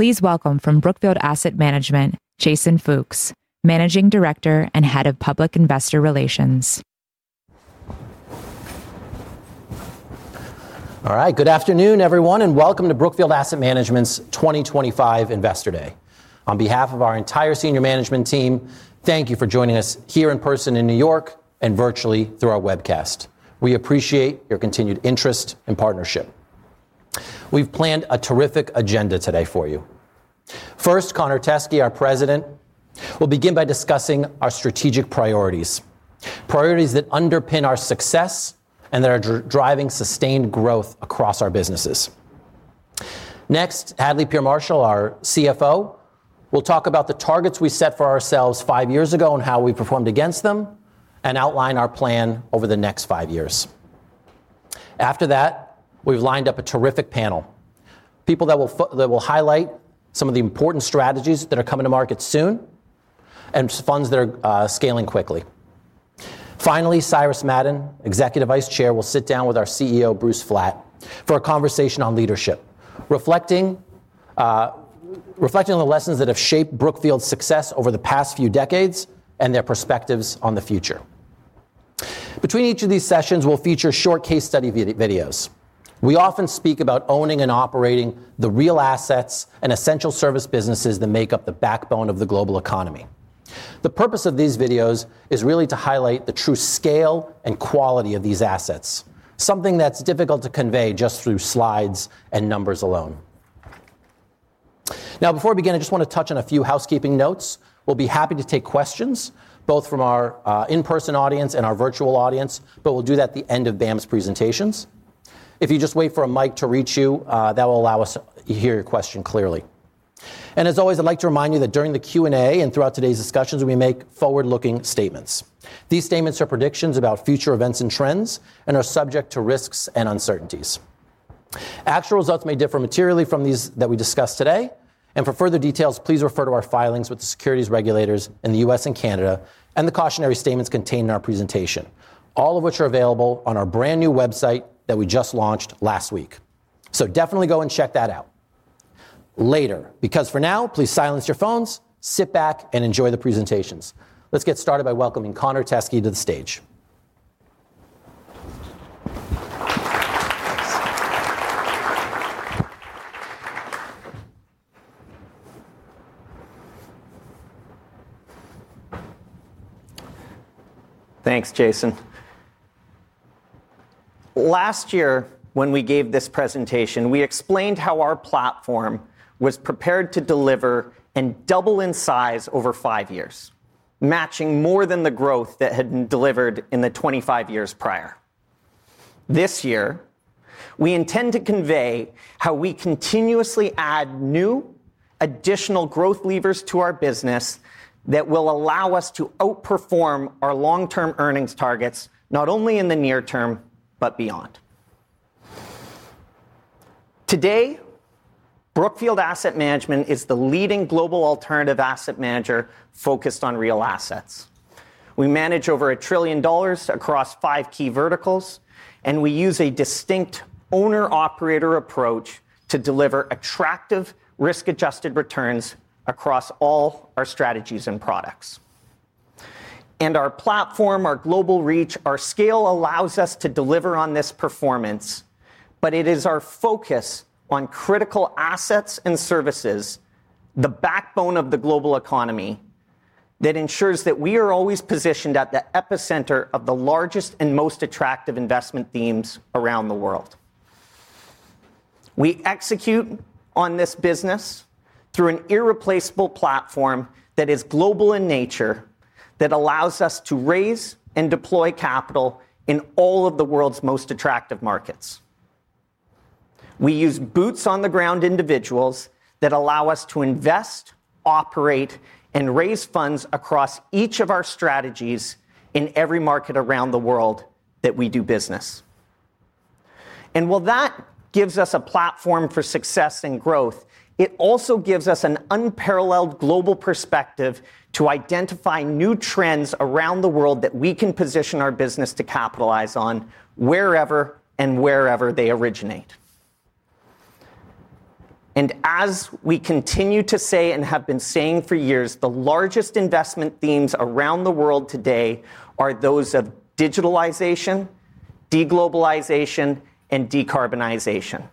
Please welcome from Brookfield Asset Management, Jason Fooks, Managing Director and Head of Public Investor Relations. All right, good afternoon, everyone, and welcome to Brookfield Asset Management's 2025 Investor Day. On behalf of our entire Senior Management Team, thank you for joining us here in person in New York and virtually through our webcast. We appreciate your continued interest and partnership. We've planned a terrific agenda today for you. First, Connor Teskey, our President, will begin by discussing our strategic priorities, priorities that underpin our success and that are driving sustained growth across our businesses. Next, Hadley Peer Marshall, our CFO, will talk about the targets we set for ourselves five years ago and how we performed against them, and outline our plan over the next five years. After that, we've lined up a terrific panel, people that will highlight some of the important strategies that are coming to market soon and funds that are scaling quickly. Finally, Cyrus Madon, Executive Vice Chair, will sit down with our CEO, Bruce Flatt, for a conversation on leadership, reflecting on the lessons that have shaped Brookfield's success over the past few decades and their perspectives on the future. Between each of these sessions, we'll feature short case study videos. We often speak about owning and operating the real assets and essential service businesses that make up the backbone of the global economy. The purpose of these videos is really to highlight the true scale and quality of these assets, something that's difficult to convey just through slides and numbers alone. Now, before we begin, I just want to touch on a few housekeeping notes. We'll be happy to take questions, both from our in-person audience and our virtual audience, but we'll do that at the end of BAM's presentations. If you just wait for a mic to reach you, that will allow us to hear your question clearly. As always, I'd like to remind you that during the Q&A and throughout today's discussions, we make forward-looking statements. These statements are predictions about future events and trends and are subject to risks and uncertainties. Actual results may differ materially from these that we discuss today, and for further details, please refer to our filings with the securities regulators in the U.S. and Canada and the cautionary statements contained in our presentation, all of which are available on our brand new website that we just launched last week. Definitely go and check that out later, because for now, please silence your phones, sit back, and enjoy the presentations. Let's get started by welcoming Connor Teskey to the stage. Thanks, Jason. Last year, when we gave this presentation, we explained how our platform was prepared to deliver and double in size over five years, matching more than the growth that had been delivered in the 25 years prior. This year, we intend to convey how we continuously add new, additional growth levers to our business that will allow us to outperform our long-term earnings targets, not only in the near term, but beyond. Today, Brookfield Asset Management is the leading global alternative asset manager focused on real assets. We manage over $1 trillion across five key verticals, and we use a distinct owner-operator approach to deliver attractive, risk-adjusted returns across all our strategies and products. Our platform, our global reach, our scale allows us to deliver on this performance, but it is our focus on critical assets and services, the backbone of the global economy, that ensures that we are always positioned at the epicenter of the largest and most attractive investment themes around the world. We execute on this business through an irreplaceable platform that is global in nature, that allows us to raise and deploy capital in all of the world's most attractive markets. We use boots-on-the-ground individuals that allow us to invest, operate, and raise funds across each of our strategies in every market around the world that we do business. While that gives us a platform for success and growth, it also gives us an unparalleled global perspective to identify new trends around the world that we can position our business to capitalize on wherever and wherever they originate. As we continue to say and have been saying for years, the largest investment themes around the world today are those of digitalization, de-globalization, and decarbonization.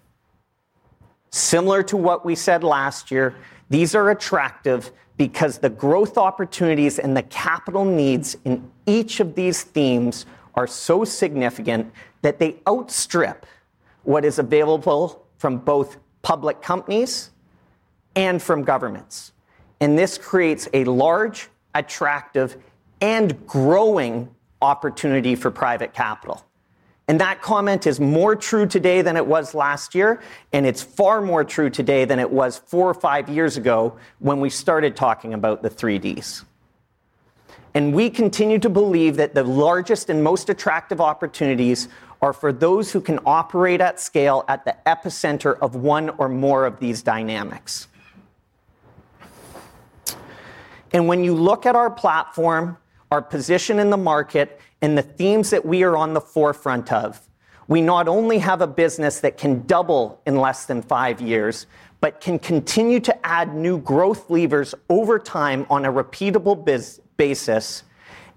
Similar to what we said last year, these are attractive because the growth opportunities and the capital needs in each of these themes are so significant that they outstrip what is available from both public companies and from governments. This creates a large, attractive, and growing opportunity for private capital. That comment is more true today than it was last year, and it's far more true today than it was four or five years ago when we started talking about the three Ds. We continue to believe that the largest and most attractive opportunities are for those who can operate at scale at the epicenter of one or more of these dynamics. When you look at our platform, our position in the market, and the themes that we are on the forefront of, we not only have a business that can double in less than five years, but can continue to add new growth levers over time on a repeatable basis.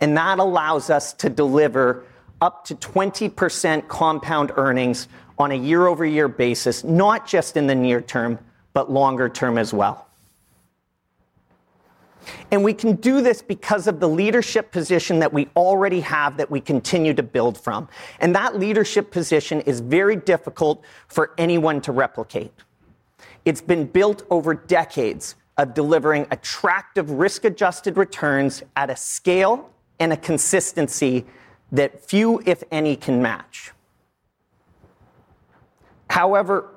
That allows us to deliver up to 20% compound earnings on a year-over-year basis, not just in the near term, but longer term as well. We can do this because of the leadership position that we already have that we continue to build from. That leadership position is very difficult for anyone to replicate. It has been built over decades of delivering attractive, risk-adjusted returns at a scale and a consistency that few, if any, can match. However,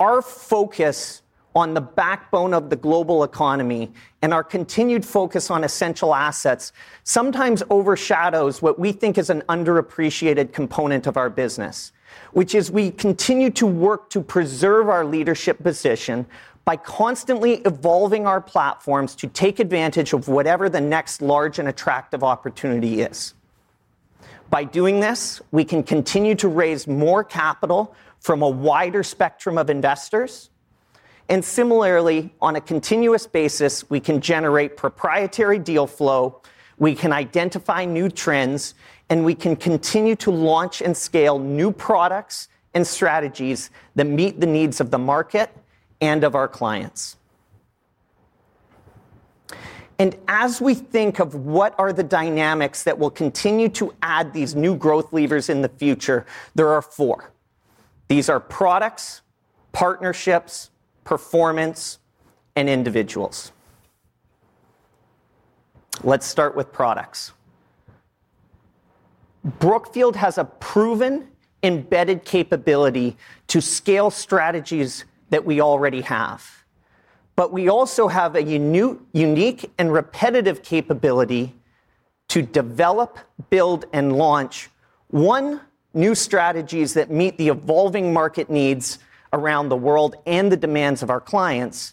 our focus on the backbone of the global economy and our continued focus on essential assets sometimes overshadows what we think is an underappreciated component of our business, which is we continue to work to preserve our leadership position by constantly evolving our platforms to take advantage of whatever the next large and attractive opportunity is. By doing this, we can continue to raise more capital from a wider spectrum of investors. Similarly, on a continuous basis, we can generate proprietary deal flow, we can identify new trends, and we can continue to launch and scale new products and strategies that meet the needs of the market and of our clients. As we think of what are the dynamics that will continue to add these new growth levers in the future, there are four. These are products, partnerships, performance, and individuals. Let's start with products. Brookfield has a proven embedded capability to scale strategies that we already have. We also have a unique and repetitive capability to develop, build, and launch, one, new strategies that meet the evolving market needs around the world and the demands of our clients,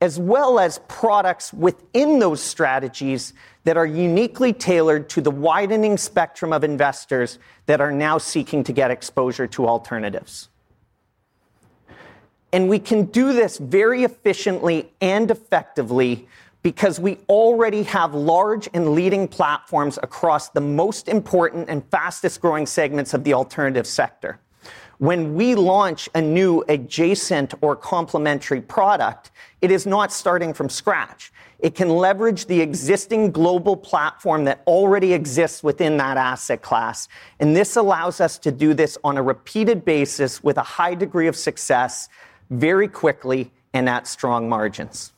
as well as products within those strategies that are uniquely tailored to the widening spectrum of investors that are now seeking to get exposure to alternatives. We can do this very efficiently and effectively because we already have large and leading platforms across the most important and fastest growing segments of the alternative sector. When we launch a new adjacent or complementary product, it is not starting from scratch. It can leverage the existing global platform that already exists within that asset class, and this allows us to do this on a repeated basis with a high degree of success, very quickly, and at strong margins.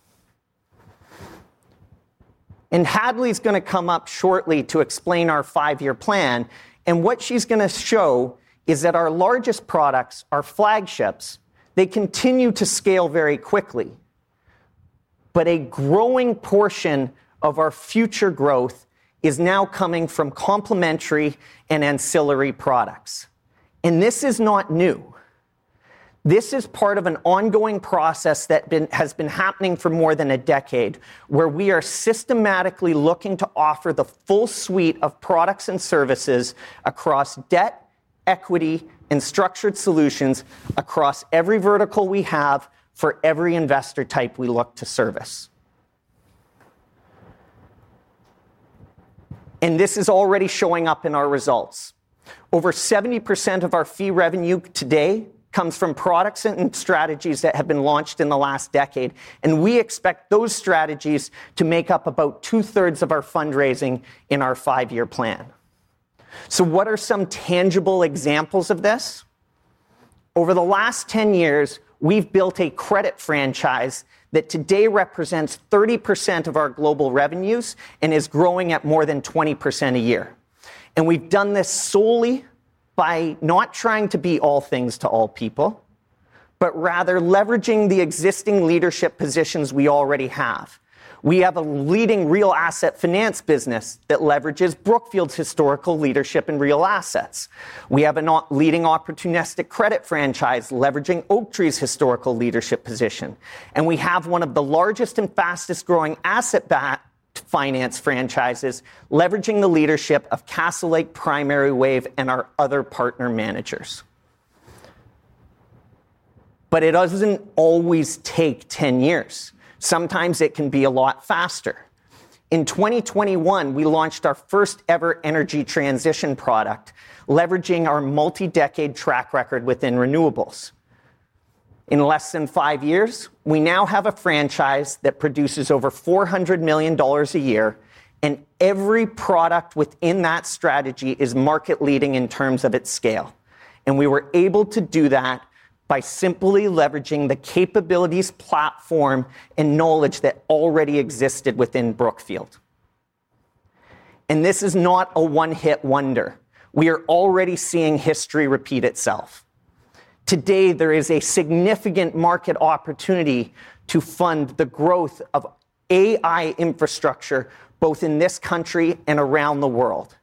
Hadley is going to come up shortly to explain our five-year plan, and what she's going to show is that our largest products are flagships. They continue to scale very quickly. A growing portion of our future growth is now coming from complementary and ancillary products. This is not new. This is part of an ongoing process that has been happening for more than a decade, where we are systematically looking to offer the full suite of products and services across debt, equity, and structured solutions across every vertical we have for every investor type we look to service. This is already showing up in our results. Over 70% of our fee revenue today comes from products and strategies that have been launched in the last decade, and we expect those strategies to make up about 2/3 of our fundraising in our five-year plan. What are some tangible examples of this? Over the last 10 years, we've built a credit franchise that today represents 30% of our global revenues and is growing at more than 20% a year. We've done this solely by not trying to be all things to all people, but rather leveraging the existing leadership positions we already have. We have a leading real asset finance business that leverages Brookfield's historical leadership in real assets. We have a leading opportunistic credit franchise leveraging Oaktree's historical leadership position. We have one of the largest and fastest growing asset finance franchises leveraging the leadership of Castlelake, Primary Wave, and our other partner managers. It doesn't always take 10 years. Sometimes it can be a lot faster. In 2021, we launched our first-ever energy transition product, leveraging our multi-decade track record within renewables. In less than five years, we now have a franchise that produces over $400 million a year, and every product within that strategy is market-leading in terms of its scale. We were able to do that by simply leveraging the capabilities, platform, and knowledge that already existed within Brookfield. This is not a one-hit wonder. We are already seeing history repeat itself. Today, there is a significant market opportunity to fund the growth of AI infrastructure, both in this country and around the world.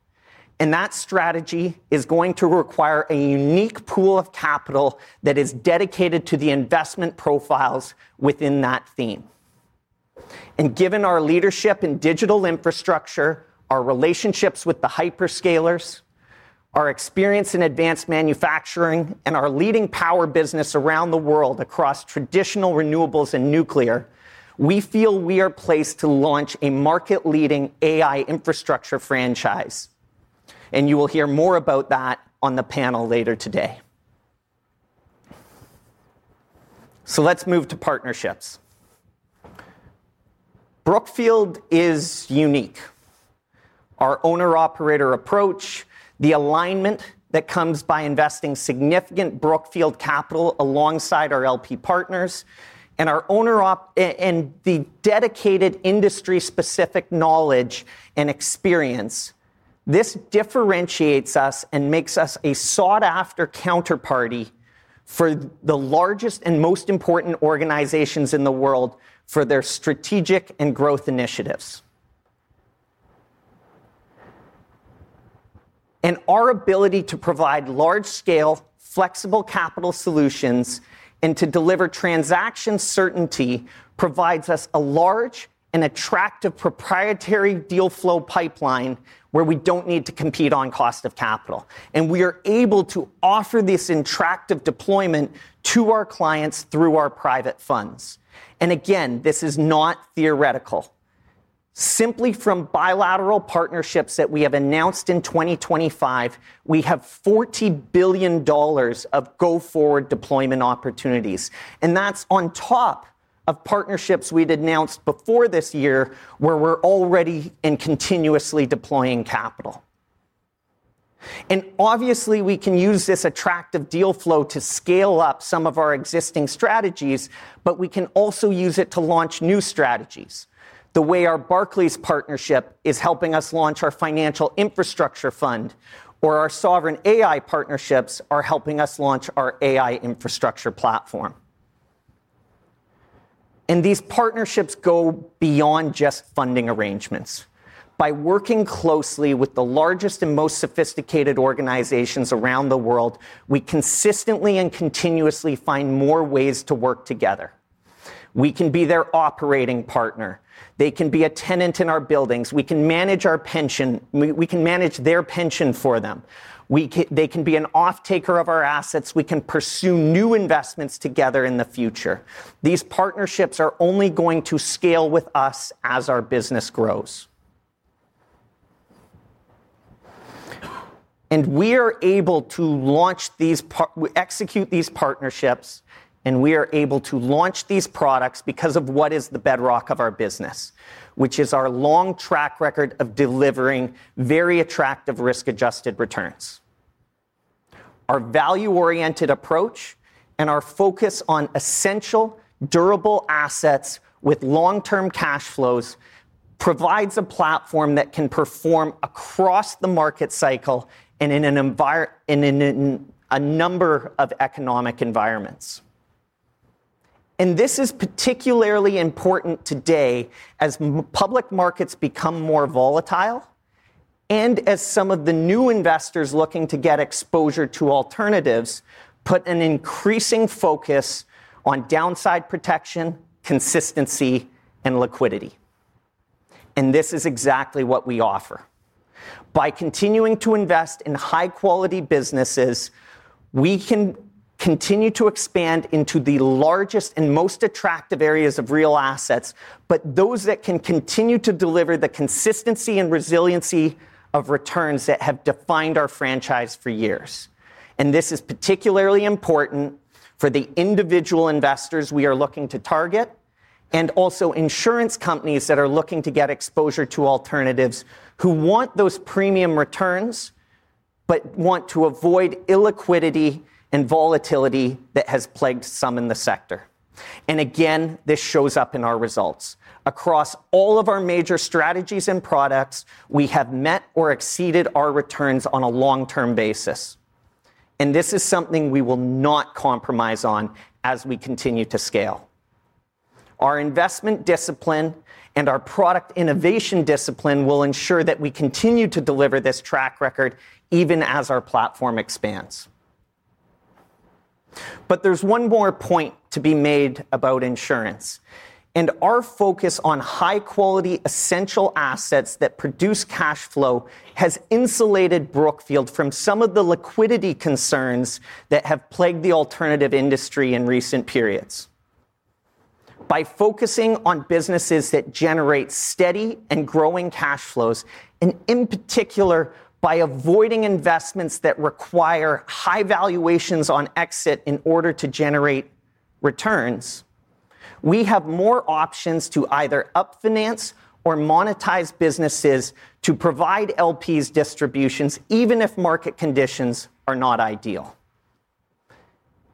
That strategy is going to require a unique pool of capital that is dedicated to the investment profiles within that theme. Given our leadership in digital infrastructure, our relationships with the hyperscalers, our experience in advanced manufacturing, and our leading power business around the world across traditional renewables and nuclear, we feel we are placed to launch a market-leading AI infrastructure franchise. You will hear more about that on the panel later today. Let's move to partnerships. Brookfield is unique. Our owner-operator approach, the alignment that comes by investing significant Brookfield capital alongside our LP partners, and our owner and the dedicated industry-specific knowledge and experience, differentiates us and makes us a sought-after counterparty for the largest and most important organizations in the world for their strategic and growth initiatives. Our ability to provide large-scale, flexible capital solutions and to deliver transaction certainty provides us a large and attractive proprietary deal flow pipeline where we do not need to compete on cost of capital. We are able to offer this in track of deployment to our clients through our private funds. This is not theoretical. Simply from bilateral partnerships that we have announced in 2025, we have $40 billion of go-forward deployment opportunities. That is on top of partnerships we announced before this year where we are already continuously deploying capital. We can use this attractive deal flow to scale up some of our existing strategies, but we can also use it to launch new strategies. The way our Barclays partnership is helping us launch our financial infrastructure fund, or our sovereign AI partnerships are helping us launch our AI infrastructure platform. These partnerships go beyond just funding arrangements. By working closely with the largest and most sophisticated organizations around the world, we consistently and continuously find more ways to work together. We can be their operating partner. They can be a tenant in our buildings. We can manage their pension for them. They can be an off-taker of our assets. We can pursue new investments together in the future. These partnerships are only going to scale with us as our business grows. We are able to launch, execute these partnerships, and we are able to launch these products because of what is the bedrock of our business, which is our long track record of delivering very attractive risk-adjusted returns. Our value-oriented approach and our focus on essential, durable assets with long-term cash flows provide a platform that can perform across the market cycle and in a number of economic environments. This is particularly important today as public markets become more volatile and as some of the new investors looking to get exposure to alternatives put an increasing focus on downside protection, consistency, and liquidity. This is exactly what we offer. By continuing to invest in high-quality businesses, we can continue to expand into the largest and most attractive areas of real assets, but those that can continue to deliver the consistency and resiliency of returns that have defined our franchise for years. This is particularly important for the individual investors we are looking to target and also insurance companies that are looking to get exposure to alternatives who want those premium returns but want to avoid illiquidity and volatility that has plagued some in the sector. Again, this shows up in our results. Across all of our major strategies and products, we have met or exceeded our returns on a long-term basis. This is something we will not compromise on as we continue to scale. Our investment discipline and our product innovation discipline will ensure that we continue to deliver this track record even as our platform expands. There is one more point to be made about insurance. Our focus on high-quality, essential assets that produce cash flow has insulated Brookfield Asset Management from some of the liquidity concerns that have plagued the alternative industry in recent periods. By focusing on businesses that generate steady and growing cash flows, and in particular, by avoiding investments that require high valuations on exit in order to generate returns, we have more options to either upfinance or monetize businesses to provide LPs distributions even if market conditions are not ideal.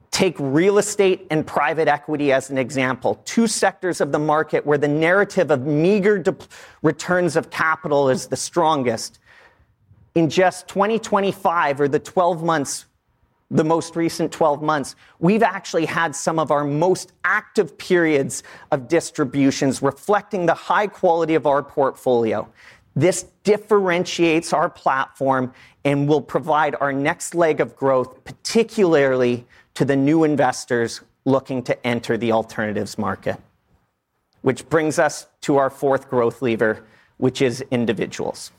Take real estate and private equity as an example, two sectors of the market where the narrative of meager returns of capital is the strongest. In just 2025, or the 12 months, the most recent 12 months, we've actually had some of our most active periods of distributions reflecting the high quality of our portfolio. This differentiates our platform and will provide our next leg of growth, particularly to the new investors looking to enter the alternatives market. This brings us to our fourth growth lever, which is individuals.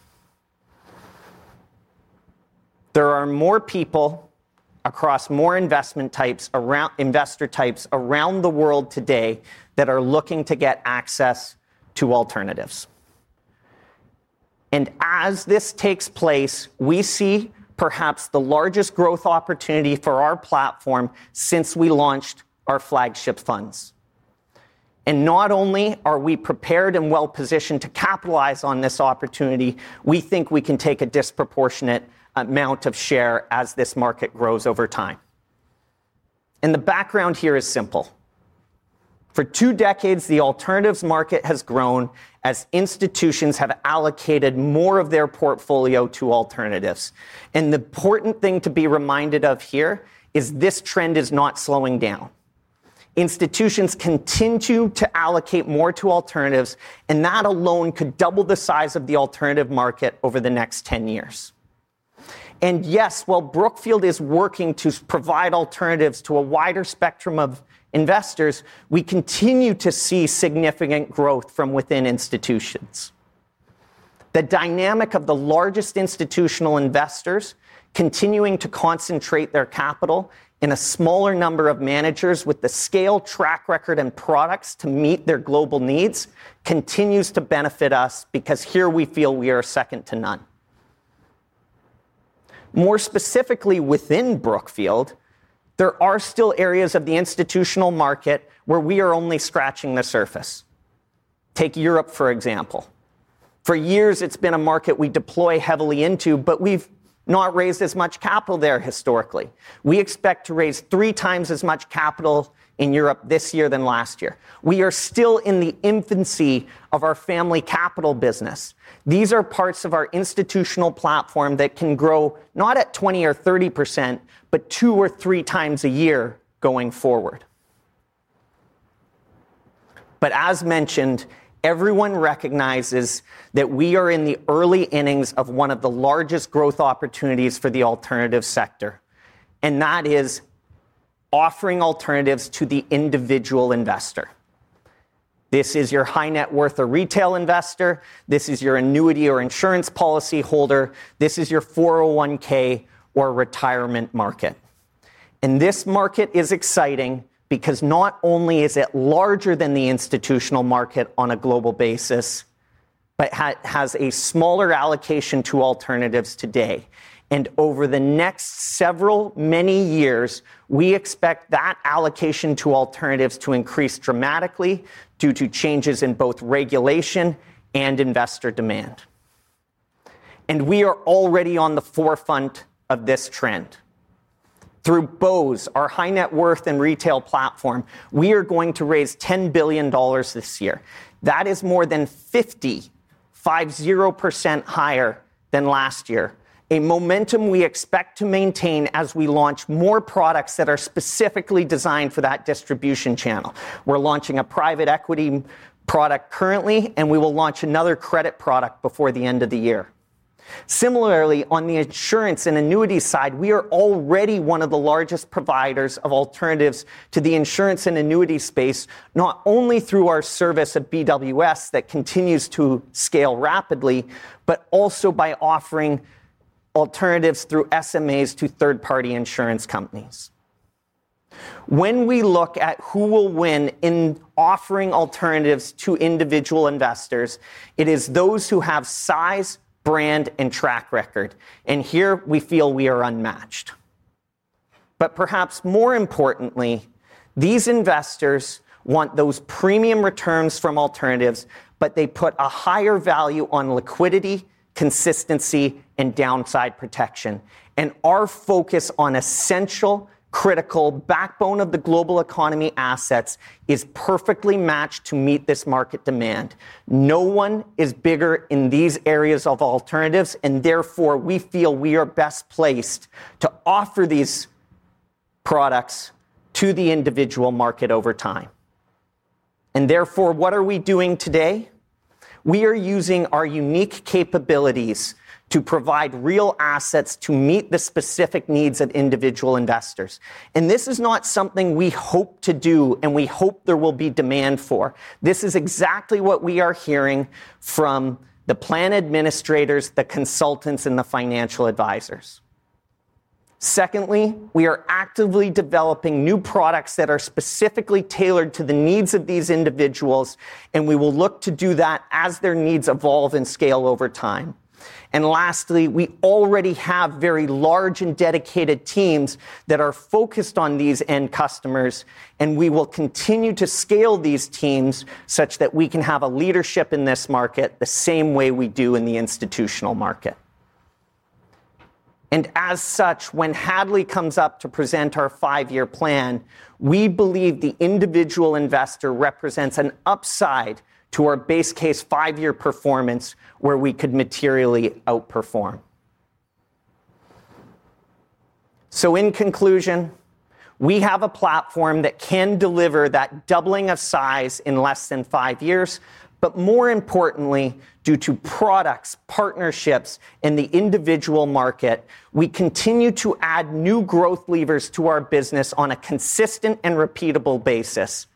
There are more people across more investor types around the world today that are looking to get access to alternatives. As this takes place, we see perhaps the largest growth opportunity for our platform since we launched our flagship funds. Not only are we prepared and well-positioned to capitalize on this opportunity, we think we can take a disproportionate amount of share as this market grows over time. The background here is simple. For two decades, the alternatives market has grown as institutions have allocated more of their portfolio to alternatives. The important thing to be reminded of here is this trend is not slowing down. Institutions continue to allocate more to alternatives, and that alone could double the size of the alternative market over the next 10 years. While Brookfield is working to provide alternatives to a wider spectrum of investors, we continue to see significant growth from within institutions. The dynamic of the largest institutional investors continuing to concentrate their capital in a smaller number of managers with a scale track record and products to meet their global needs continues to benefit us because here we feel we are second to none. More specifically, within Brookfield, there are still areas of the institutional market where we are only scratching the surface. Take Europe, for example. For years, it's been a market we deploy heavily into, but we've not raised as much capital there historically. We expect to raise 3x as much capital in Europe this year than last year. We are still in the infancy of our family capital business. These are parts of our institutional platform that can grow not at 20% or 30%, but 2x or 3x a year going forward. As mentioned, everyone recognizes that we are in the early innings of one of the largest growth opportunities for the alternative sector. That is offering alternatives to the individual investor. This is your high net worth or retail investor. This is your annuity or insurance policy holder. This is your 401(k) or retirement market. This market is exciting because not only is it larger than the institutional market on a global basis, but it has a smaller allocation to alternatives today. Over the next several many years, we expect that allocation to alternatives to increase dramatically due to changes in both regulation and investor demand. We are already on the forefront of this trend. Through BOWS, our high net worth and retail platform, we are going to raise $10 billion this year. That is more than 50% higher than last year, a momentum we expect to maintain as we launch more products that are specifically designed for that distribution channel. We're launching a private equity product currently, and we will launch another credit product before the end of the year. Similarly, on the insurance and annuity side, we are already one of the largest providers of alternatives to the insurance and annuity space, not only through our service at BWS that continues to scale rapidly, but also by offering alternatives through SMAs to third-party insurance companies. When we look at who will win in offering alternatives to individual investors, it is those who have size, brand, and track record. Here we feel we are unmatched. Perhaps more importantly, these investors want those premium returns from alternatives, but they put a higher value on liquidity, consistency, and downside protection. Our focus on essential, critical backbone of the global economy assets is perfectly matched to meet this market demand. No one is bigger in these areas of alternatives, and therefore we feel we are best placed to offer these products to the individual market over time. Therefore, what are we doing today? We are using our unique capabilities to provide real assets to meet the specific needs of individual investors. This is not something we hope to do, and we hope there will be demand for. This is exactly what we are hearing from the plan administrators, the consultants, and the financial advisors. Secondly, we are actively developing new products that are specifically tailored to the needs of these individuals, and we will look to do that as their needs evolve and scale over time. Lastly, we already have very large and dedicated teams that are focused on these end customers, and we will continue to scale these teams such that we can have a leadership in this market the same way we do in the institutional market. As such, when Hadley comes up to present our five-year plan, we believe the individual investor represents an upside to our base case five-year performance where we could materially outperform. In conclusion, we have a platform that can deliver that doubling of size in less than five years, but more importantly, due to products, partnerships, and the individual market, we continue to add new growth levers to our business on a consistent and repeatable basis.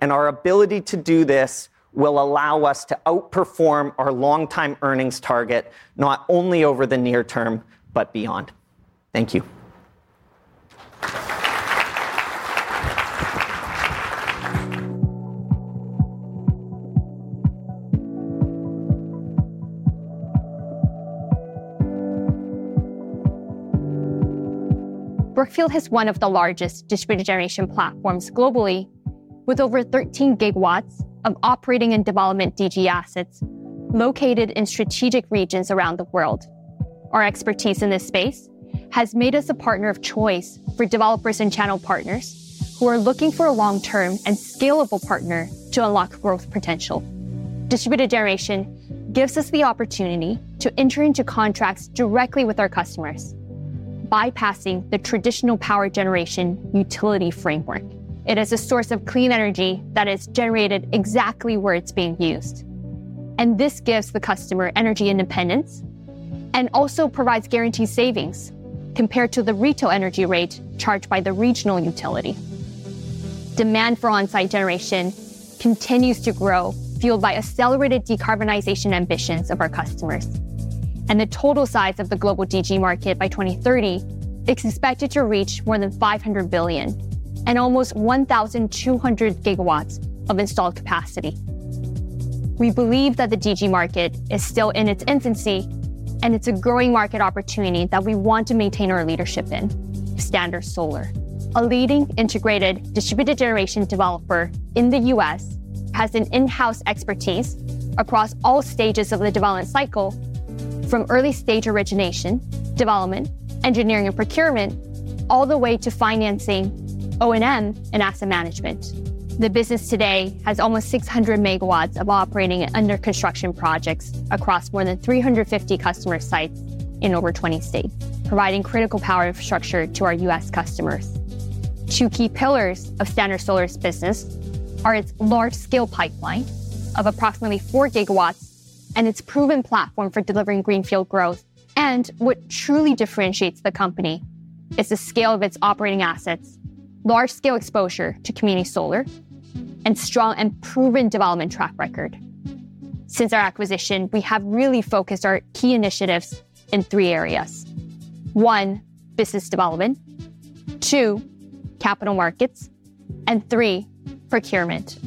Our ability to do this will allow us to outperform our long-time earnings target, not only over the near term, but beyond. Thank you. Brookfield has one of the largest distributed generation platforms globally, with over 13 GW of operating and development DG assets located in strategic regions around the world. Our expertise in this space has made us a partner of choice for developers and channel partners who are looking for a long-term and scalable partner to unlock growth potential. Distributed generation gives us the opportunity to enter into contracts directly with our customers, bypassing the traditional power generation utility framework. It is a source of clean energy that is generated exactly where it's being used. This gives the customer energy independence and also provides guaranteed savings compared to the retail energy rate charged by the regional utility. Demand for onsite generation continues to grow, fueled by accelerated decarbonization ambitions of our customers. The total size of the global DG market by 2030 is expected to reach more than $500 billion and almost 1,200 GW of installed capacity. We believe that the DG market is still in its infancy, and it's a growing market opportunity that we want to maintain our leadership in. Standard Solar, a leading integrated distributed generation developer in the U.S., has in-house expertise across all stages of the development cycle, from early stage origination, development, engineering, and procurement, all the way to financing, O&M, and asset management. The business today has almost 600 MW of operating and under-construction projects across more than 350 customer sites in over 20 states, providing critical power infrastructure to our U.S. customers. Two key pillars of Standard Solar's business are its large-scale pipeline of approximately 4 GW and its proven platform for delivering greenfield growth. What truly differentiates the company is the scale of its operating assets, large-scale exposure to community solar, and strong and proven development track record. Since our acquisition, we have really focused our key initiatives in three areas: one, business development; two, capital markets; and three, procurement.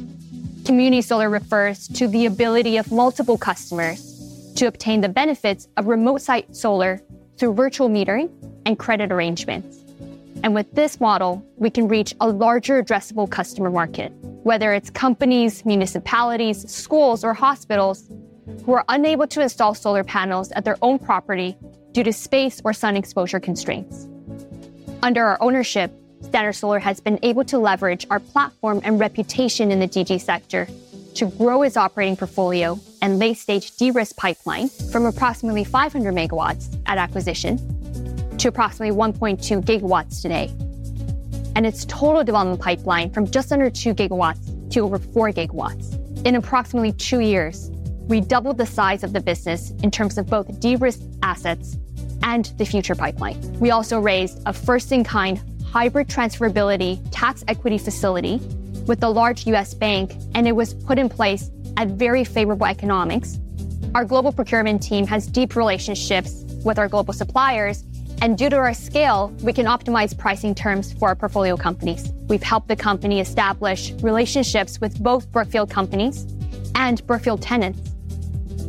Community solar refers to the ability of multiple customers to obtain the benefits of remote site solar through virtual metering and credit arrangements. With this model, we can reach a larger addressable customer market, whether it's companies, municipalities, schools, or hospitals who are unable to install solar panels at their own property due to space or sun exposure constraints. Under our ownership, Standard Solar has been able to leverage our platform and reputation in the distributed generation sector to grow its operating portfolio and late-stage de-risk pipeline from approximately 500 MW at acquisition to approximately 1.2 GW today. Its total development pipeline has grown from just under 2 GW to over 4 GW. In approximately two years, we doubled the size of the business in terms of both de-risk assets and the future pipeline. We also raised a first-in-kind hybrid transferability tax equity facility with a large U.S. bank, and it was put in place at very favorable economics. Our global procurement team has deep relationships with our global suppliers, and due to our scale, we can optimize pricing terms for our portfolio companies. We've helped the company establish relationships with both Brookfield companies and Brookfield tenants.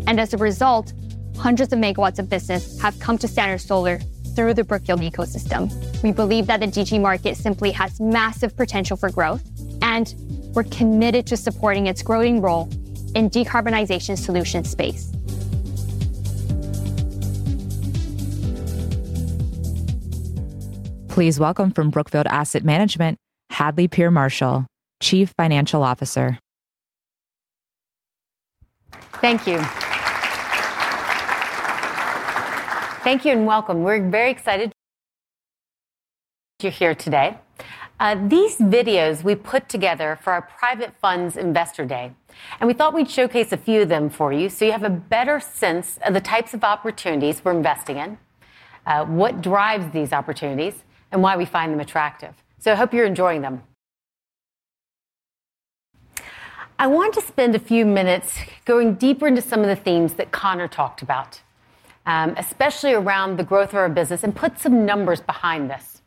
As a result, hundreds of megawatts of business have come to Standard Solar through the Brookfield ecosystem. We believe that the distributed generation market simply has massive potential for growth, and we're committed to supporting its growing role in the decarbonization solution space. Please welcome from Brookfield Asset Management, Hadley Peer Marshall, Chief Financial Officer. Thank you. Thank you and welcome. We're very excited you're here today. These videos we put together for our Private Funds Investor Day, and we thought we'd showcase a few of them for you so you have a better sense of the types of opportunities we're investing in, what drives these opportunities, and why we find them attractive. I hope you're enjoying them. I want to spend a few minutes going deeper into some of the themes that Connor talked about, especially around the growth of our business and put some numbers behind this.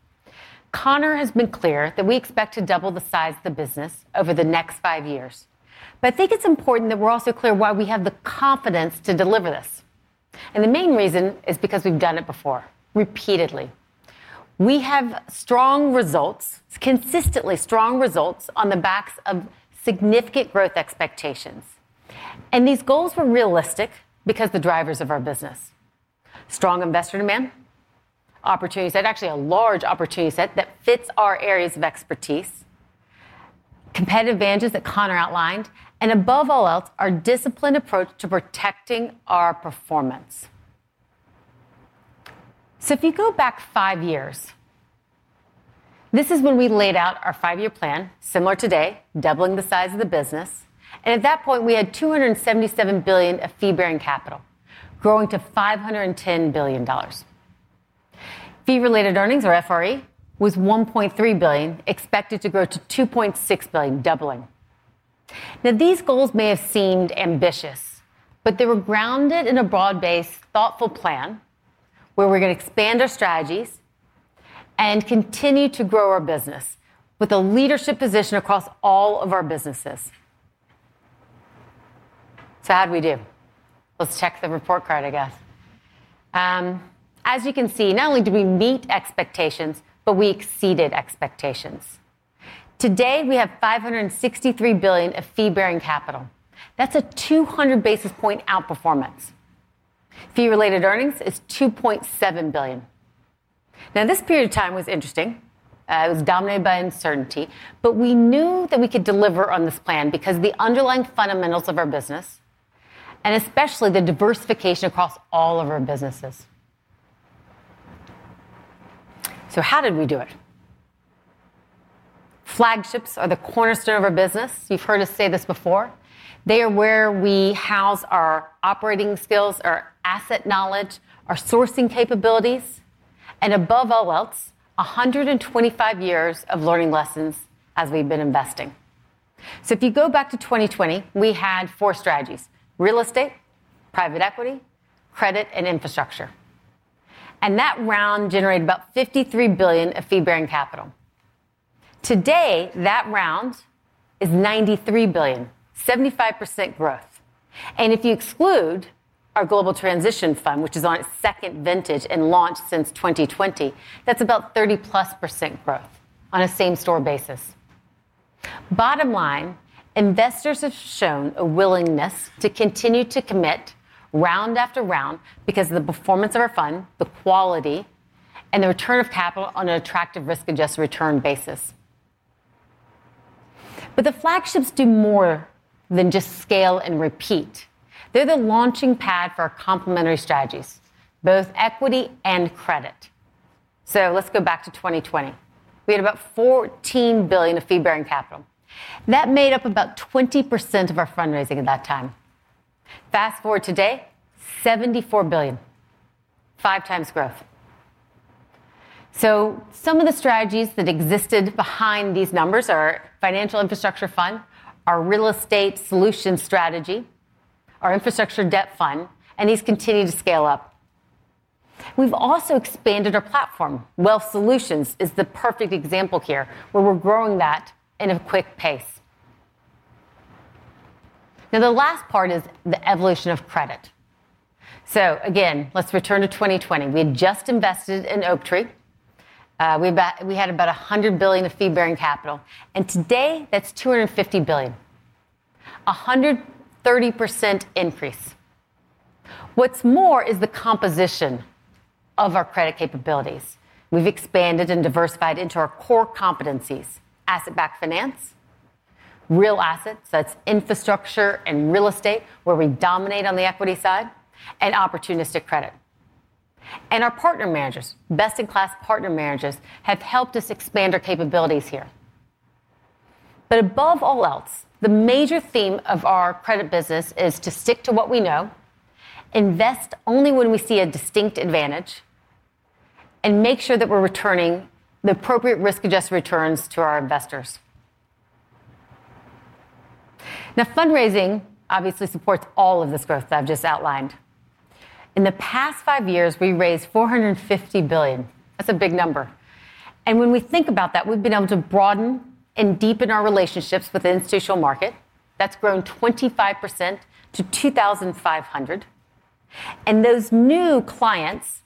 Connor has been clear that we expect to double the size of the business over the next five years. I think it's important that we're also clear why we have the confidence to deliver this. The main reason is because we've done it before, repeatedly. We have strong results, consistently strong results on the backs of significant growth expectations. These goals were realistic because they're drivers of our business. Strong investor demand, opportunity set, actually a large opportunity set that fits our areas of expertise, competitive advantages that Connor outlined, and above all else, our disciplined approach to protecting our performance. If you go back five years, this is when we laid out our five-year plan, similar today, doubling the size of the business. At that point, we had $277 billion of fee-bearing capital, growing to $510 billion. Fee-related earnings, or FRE, was $1.3 billion, expected to grow to $2.6 billion, doubling. These goals may have seemed ambitious, but they were grounded in a broad-based, thoughtful plan where we're going to expand our strategies and continue to grow our business with a leadership position across all of our businesses. How did we do? Let's check the report card, I guess. As you can see, not only did we meet expectations, but we exceeded expectations. Today, we have $563 billion of fee-bearing capital. That's a 200 basis point outperformance. Fee-related earnings is $2.7 billion. This period of time was interesting. It was dominated by uncertainty, but we knew that we could deliver on this plan because of the underlying fundamentals of our business and especially the diversification across all of our businesses. How did we do it? Flagships are the cornerstone of our business. You've heard us say this before. They are where we house our operating skills, our asset knowledge, our sourcing capabilities, and above all else, 125 years of learning lessons as we've been investing. If you go back to 2020, we had four strategies: real estate, private equity, credit, and infrastructure. That round generated about $53 billion of fee-bearing capital. Today, that round is $93 billion, 75% growth. If you exclude our global transition fund, which is on its second vintage and launched since 2020, that's about 30%+ growth on a same-store basis. Bottom line, investors have shown a willingness to continue to commit round after round because of the performance of our fund, the quality, and the return of capital on an attractive risk-adjusted return basis. The flagships do more than just scale and repeat. They're the launching pad for our complementary strategies, both equity and credit. Let's go back to 2020, we had about $14 billion of fee-bearing capital. That made up about 20% of our fundraising at that time. Fast forward to today, $74 billion, 5x growth. Some of the strategies that existed behind these numbers are our financial infrastructure fund, our real estate solution strategy, our infrastructure debt fund, and these continue to scale up. We've also expanded our platform. Wells Solutions is the perfect example here where we're growing that at a quick pace. The last part is the evolution of credit. Again, let's return to 2020. We had just invested in Oaktree. We had about $100 billion of fee-bearing capital, and today that's $250 billion, a 130% increase. What's more is the composition of our credit capabilities. We've expanded and diversified into our core competencies: asset-backed finance, real assets, that's infrastructure and real estate, where we dominate on the equity side, and opportunistic credit. Our partner managers, best-in-class partner managers, have helped us expand our capabilities here. Above all else, the major theme of our credit business is to stick to what we know, invest only when we see a distinct advantage, and make sure that we're returning the appropriate risk-adjusted returns to our investors. Fundraising obviously supports all of this growth that I've just outlined. In the past five years, we raised $450 billion. That's a big number. When we think about that, we've been able to broaden and deepen our relationships with the institutional market. That's grown 25% to $2,500. Those new clients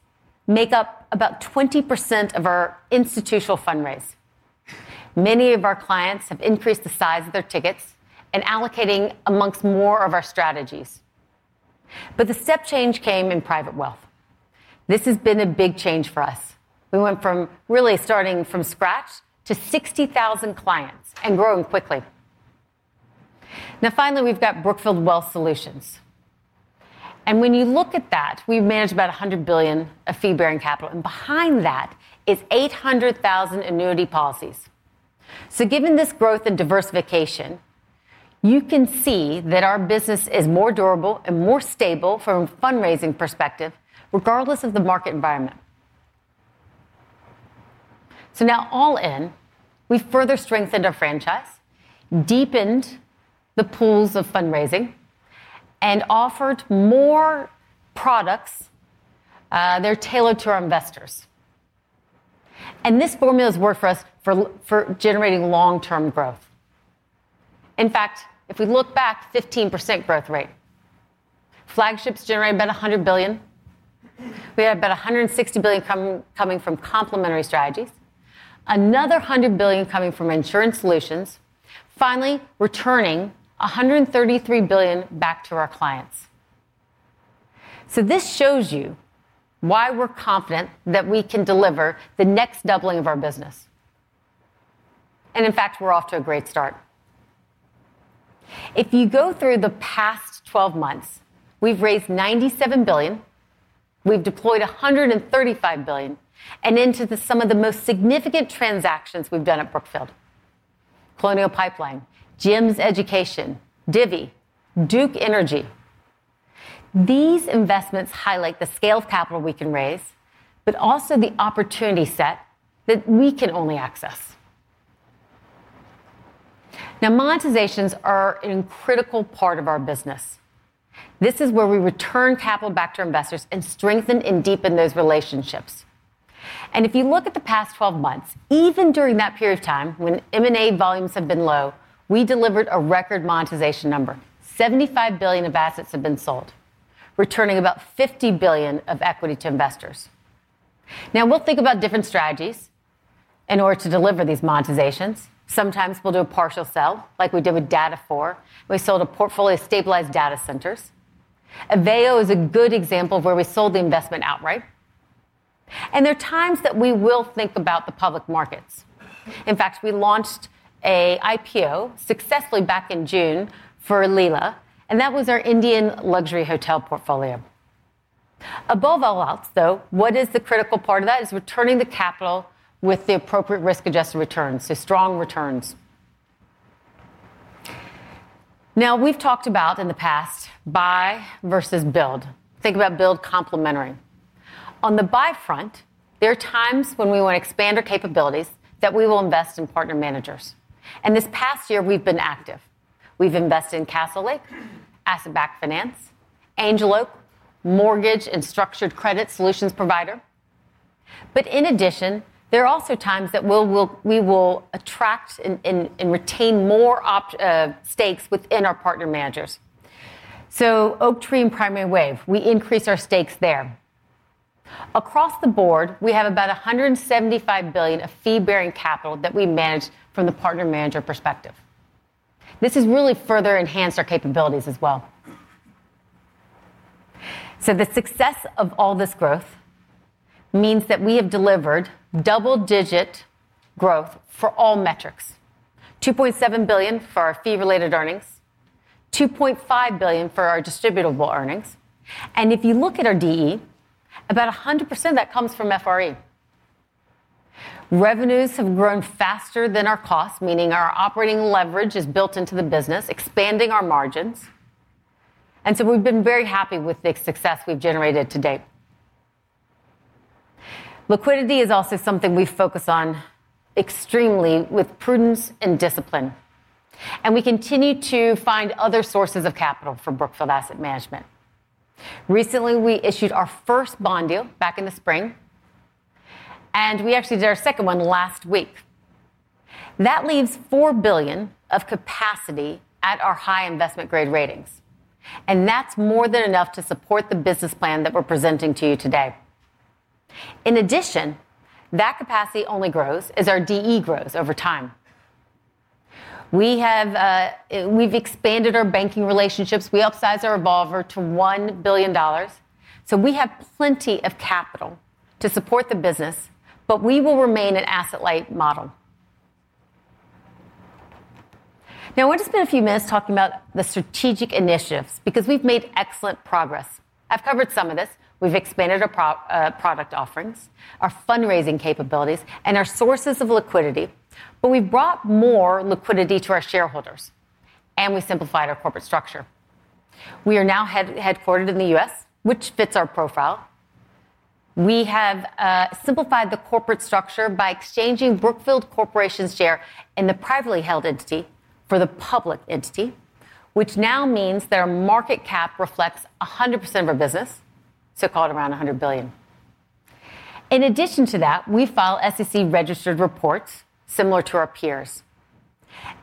make up about 20% of our institutional fundraise. Many of our clients have increased the size of their tickets and are allocating amongst more of our strategies. The step change came in private wealth. This has been a big change for us. We went from really starting from scratch to 60,000 clients and growing quickly. Now, finally, we've got Brookfield Wealth Solutions. When you look at that, we've managed about $100 billion of fee-bearing capital, and behind that is 800,000 annuity policies. Given this growth and diversification, you can see that our business is more durable and more stable from a fundraising perspective, regardless of the market environment. Now, all in, we've further strengthened our franchise, deepened the pools of fundraising, and offered more products that are tailored to our investors. This formula has worked for us for generating long-term growth. In fact, if we look back, 15% growth rate. Flagships generate about $100 billion. We have about $160 billion coming from complementary strategies, another $100 billion coming from insurance solutions, finally, returning $133 billion back to our clients. This shows you why we're confident that we can deliver the next doubling of our business. In fact, we're off to a great start. If you go through the past 12 months, we've raised $97 billion, we've deployed $135 billion, and into some of the most significant transactions we've done at Brookfield: Colonial Pipeline, GEMS Education, Divvy, Duke Energy. These investments highlight the scale of capital we can raise, but also the opportunity set that we can only access. Monetizations are a critical part of our business. This is where we return capital back to our investors and strengthen and deepen those relationships. If you look at the past 12 months, even during that period of time when M&A volumes have been low, we delivered a record monetization number. $75 billion of assets have been sold, returning about $50 billion of equity to investors. We'll think about different strategies in order to deliver these monetizations. Sometimes we'll do a partial sell, like we did with DataFore. We sold a portfolio of stabilized data centers. Aveo is a good example of where we sold the investment outright. There are times that we will think about the public markets. In fact, we launched an IPO successfully back in June for Leela, and that was our Indian luxury hotel portfolio. Above all else, though, what is the critical part of that is returning the capital with the appropriate risk-adjusted returns, so strong returns. Now, we've talked about in the past buy versus build. Think about build complementary. On the buy front, there are times when we want to expand our capabilities that we will invest in partner managers. This past year, we've been active. We've invested in Castlelake, asset-backed finance, Angel Oak, mortgage and structured credit solutions provider. In addition, there are also times that we will attract and retain more stakes within our partner managers. Oaktree and Primary Wave, we increase our stakes there. Across the board, we have about $175 billion of fee-bearing capital that we manage from the partner manager perspective. This has really further enhanced our capabilities as well. The success of all this growth means that we have delivered double-digit growth for all metrics: $2.7 billion for our fee-related earnings, $2.5 billion for our distributable earnings. If you look at our DE, about 100% of that comes from FRE. Revenues have grown faster than our costs, meaning our operating leverage is built into the business, expanding our margins. We've been very happy with the success we've generated to date. Liquidity is also something we focus on extremely with prudence and discipline. We continue to find other sources of capital for Brookfield Asset Management. Recently, we issued our first bond deal back in the spring, and we actually did our second one last week. That leaves $4 billion of capacity at our high investment-grade ratings. That's more than enough to support the business plan that we're presenting to you today. In addition, that capacity only grows as our DE grows over time. We've expanded our banking relationships. We upsized our revolver to $1 billion. We have plenty of capital to support the business, but we will remain an asset-light model. Now, I want to spend a few minutes talking about the strategic initiatives because we've made excellent progress. I've covered some of this. We've expanded our product offerings, our fundraising capabilities, and our sources of liquidity, but we brought more liquidity to our shareholders, and we simplified our corporate structure. We are now headquartered in the U.S., which fits our profile. We have simplified the corporate structure by exchanging Brookfield Corporation's share in the privately held entity for the public entity, which now means that our market cap reflects 100% of our business, so call it around $100 billion. In addition to that, we file SEC-registered reports similar to our peers.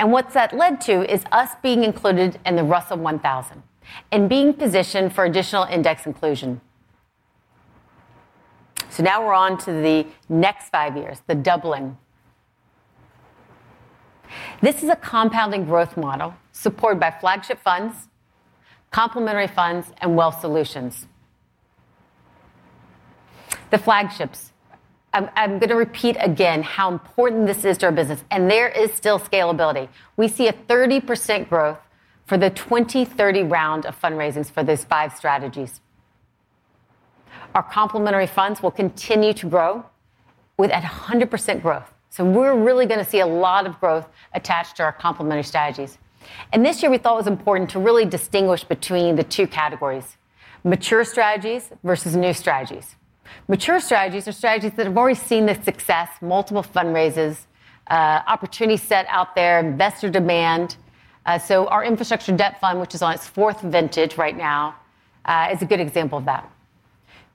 What that led to is us being included in the Russell 1000 and being positioned for additional index inclusion. Now we're on to the next five years, the doubling. This is a compounding growth model supported by flagship funds, complementary funds, and wealth solutions. The flagships, I'm going to repeat again how important this is to our business, and there is still scalability. We see a 30% growth for the 2030 round of fundraisings for those five strategies. Our complementary funds will continue to grow with 100% growth. We're really going to see a lot of growth attached to our complementary strategies. This year, we thought it was important to really distinguish between the two categories: mature strategies versus new strategies. Mature strategies are strategies that have already seen the success, multiple fundraisers, opportunities set out there, investor demand. Our infrastructure debt fund, which is on its fourth vintage right now, is a good example of that.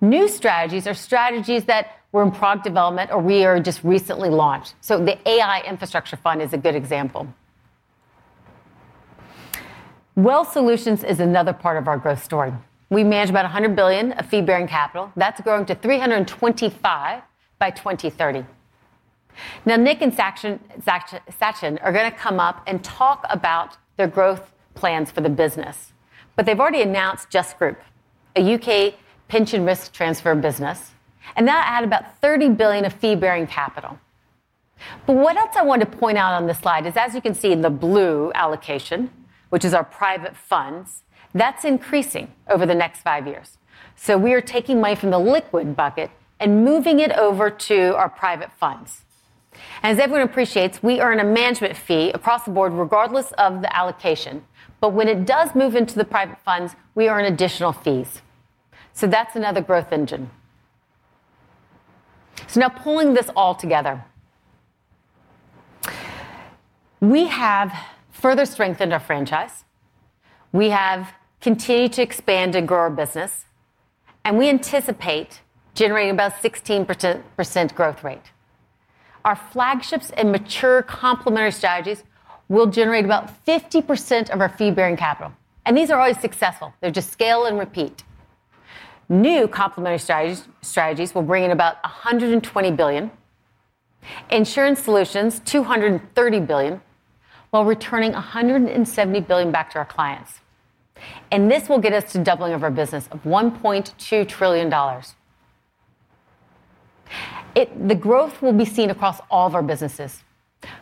New strategies are strategies that were in product development or we are just recently launched. The AI infrastructure fund is a good example. Wealth solutions is another part of our growth story. We manage about $100 billion of fee-bearing capital. That's growing to $325 billion by 2030. Now, Nick and Sachin are going to come up and talk about their growth plans for the business. They've already announced Just Group, a U.K. pension risk transfer business, and that'll add about $30 billion of fee-bearing capital. What else I want to point out on this slide is, as you can see in the blue allocation, which is our private funds, that's increasing over the next five years. We are taking money from the liquid bucket and moving it over to our private funds. As everyone appreciates, we earn a management fee across the board regardless of the allocation. When it does move into the private funds, we earn additional fees. That's another growth engine. Now, pulling this all together, we have further strengthened our franchise. We have continued to expand and grow our business, and we anticipate generating about a 16% growth rate. Our flagships and mature complementary strategies will generate about 50% of our fee-bearing capital. These are always successful. They're just scale and repeat. New complementary strategies will bring in about $120 billion, insurance solutions $230 billion, while returning $170 billion back to our clients. This will get us to a doubling of our business of $1.2 trillion. The growth will be seen across all of our businesses.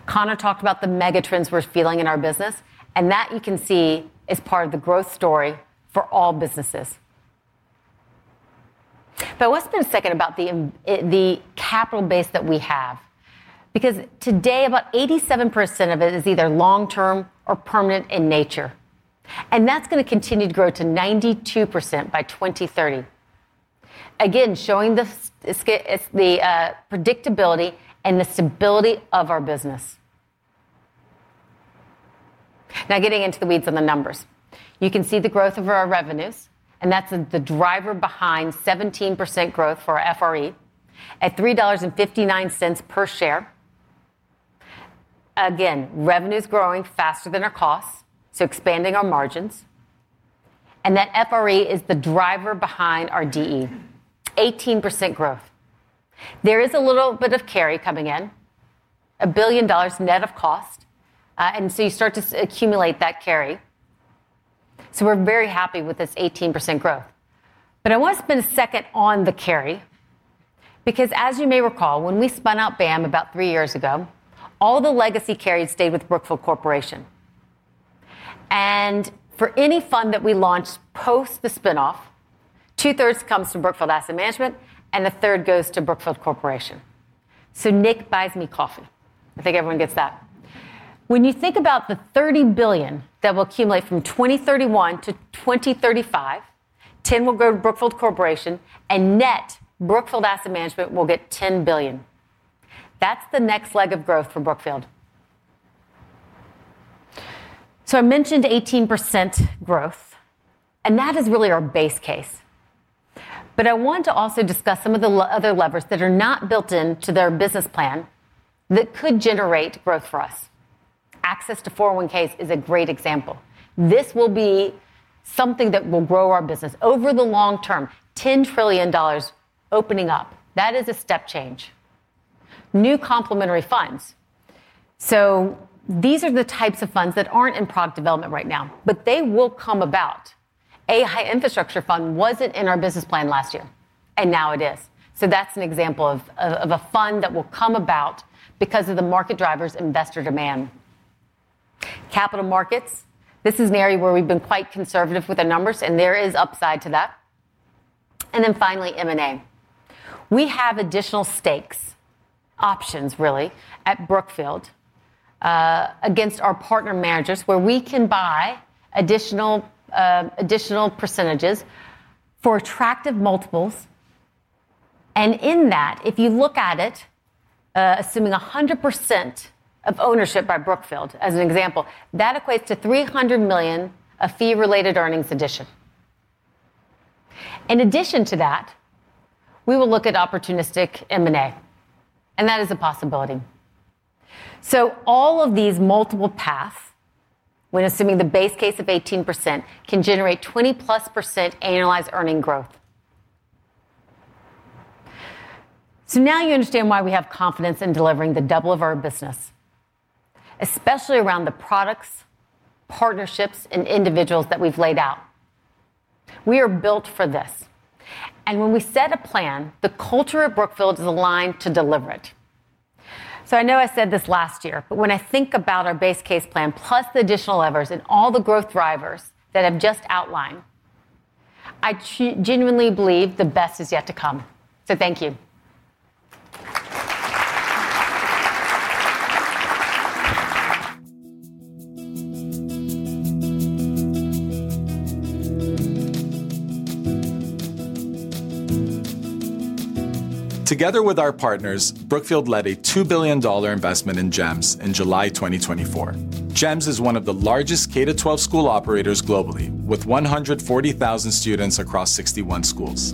Connor talked about the megatrends we're feeling in our business, and that you can see is part of the growth story for all businesses. I want to spend a second about the capital base that we have, because today, about 87% of it is either long-term or permanent in nature. That's going to continue to grow to 92% by 2030, again showing the predictability and the stability of our business. Now, getting into the weeds on the numbers, you can see the growth of our revenues, and that's the driver behind 17% growth for our FRE at $3.59 per share. Revenue is growing faster than our costs, so expanding our margins. That FRE is the driver behind our DE, 18% growth. There is a little bit of carry coming in, $1 billion net of cost, and you start to accumulate that carry. We're very happy with this 18% growth. I want to spend a second on the carry, because as you may recall, when we spun out BAM about three years ago, all the legacy carry stayed with Brookfield Corporation. For any fund that we launched post the spin-off, 2/3 comes from Brookfield Asset Management, and 1/3 goes to Brookfield Corporation. Nick buys me coffee. I think everyone gets that. When you think about the $30 billion that will accumulate from 2031-2035, 10 will go to Brookfield Corporation, and net Brookfield Asset Management will get $10 billion. That's the next leg of growth for Brookfield. I mentioned 18% growth, and that is really our base case. I want to also discuss some of the other levers that are not built into their business plan that could generate growth for us. Access to 401(k)s is a great example. This will be something that will grow our business over the long term, $10 trillion opening up. That is a step change. New complementary funds, so these are the types of funds that aren't in product development right now, but they will come about. A high infrastructure fund wasn't in our business plan last year, and now it is. That's an example of a fund that will come about because of the market drivers, investor demand. Capital markets, this is an area where we've been quite conservative with our numbers, and there is upside to that. Finally, M&A. We have additional stakes, options, really, at Brookfield against our partner managers where we can buy additional percentages for attractive multiples. In that, if you look at it, assuming 100% of ownership by Brookfield as an example, that equates to $300 million of fee-related earnings addition. In addition to that, we will look at opportunistic M&A, and that is a possibility. All of these multiple paths, when assuming the base case of 18%, can generate 20%+ annualized earning growth. Now you understand why we have confidence in delivering the double of our business, especially around the products, partnerships, and individuals that we've laid out. We are built for this. When we set a plan, the culture of Brookfield is aligned to deliver it. I know I said this last year, but when I think about our base case plan, plus the additional levers and all the growth drivers that I've just outlined, I genuinely believe the best is yet to come. Thank you. Together with our partners, Brookfield led a $2 billion investment in GEMS in July 2024. GEMS is one of the largest K-12 school operators globally, with 140,000 students across 61 schools.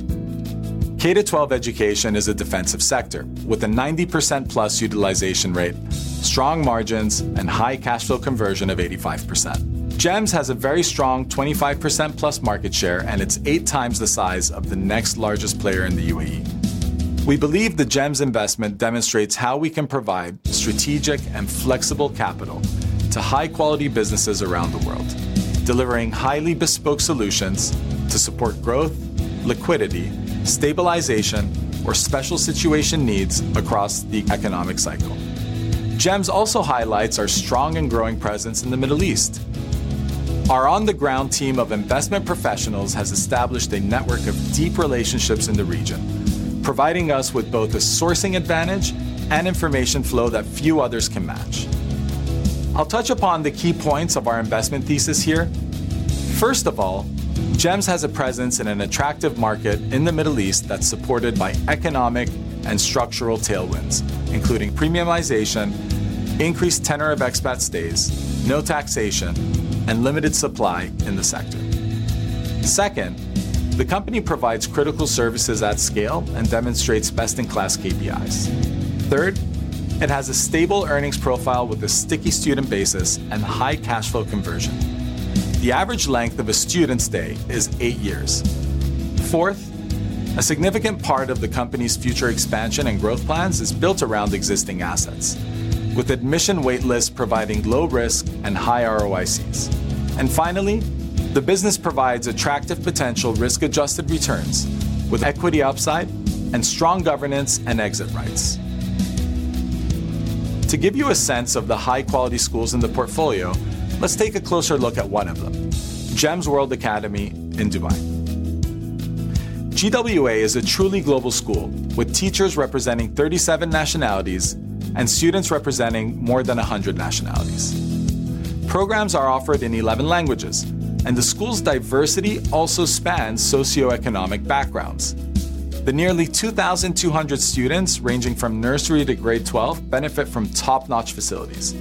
K-12 education is a defensive sector with a 90%+ utilization rate, strong margins, and high cash flow conversion of 85%. GEMS has a very strong 25%+ market share, and it's 8x the size of the next largest player in the UAE. We believe the GEMS investment demonstrates how we can provide strategic and flexible capital to high-quality businesses around the world, delivering highly bespoke solutions to support growth, liquidity, stabilization, or special situation needs across the economic cycle. GEMS also highlights our strong and growing presence in the Middle East. Our on-the-ground team of investment professionals has established a network of deep relationships in the region, providing us with both a sourcing advantage and information flow that few others can match. I'll touch upon the key points of our investment thesis here. First of all, GEMS has a presence in an attractive market in the Middle East that's supported by economic and structural tailwinds, including premiumization, increased tenure of expat stays, no taxation, and limited supply in the sector. Second, the company provides critical services at scale and demonstrates best-in-class KPIs. Third, it has a stable earnings profile with a sticky student basis and high cash flow conversion. The average length of a student stay is eight years. Fourth, a significant part of the company's future expansion and growth plans is built around existing assets, with admission waitlists providing low risk and high ROICs. Finally, the business provides attractive potential risk-adjusted returns with equity upside and strong governance and exit rights. To give you a sense of the high-quality schools in the portfolio, let's take a closer look at one of them, GEMS World Academy in Dubai. GWA is a truly global school with teachers representing 37 nationalities and students representing more than 100 nationalities. Programs are offered in 11 languages, and the school's diversity also spans socioeconomic backgrounds. The nearly 2,200 students ranging from nursery to grade 12 benefit from top-notch facilities,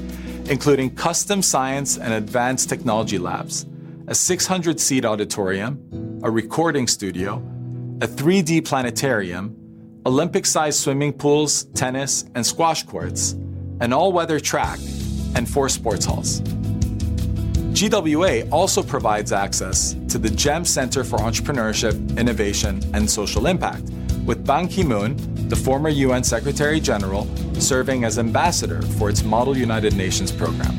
including custom science and advanced technology labs, a 600-seat auditorium, a recording studio, a 3D planetarium, Olympic-sized swimming pools, tennis and squash courts, an all-weather track, and four sports halls. GWA also provides access to the GEMS Center for Entrepreneurship, Innovation, and Social Impact, with Ban Ki-moon, the former UN Secretary General, serving as ambassador for its Model United Nations program.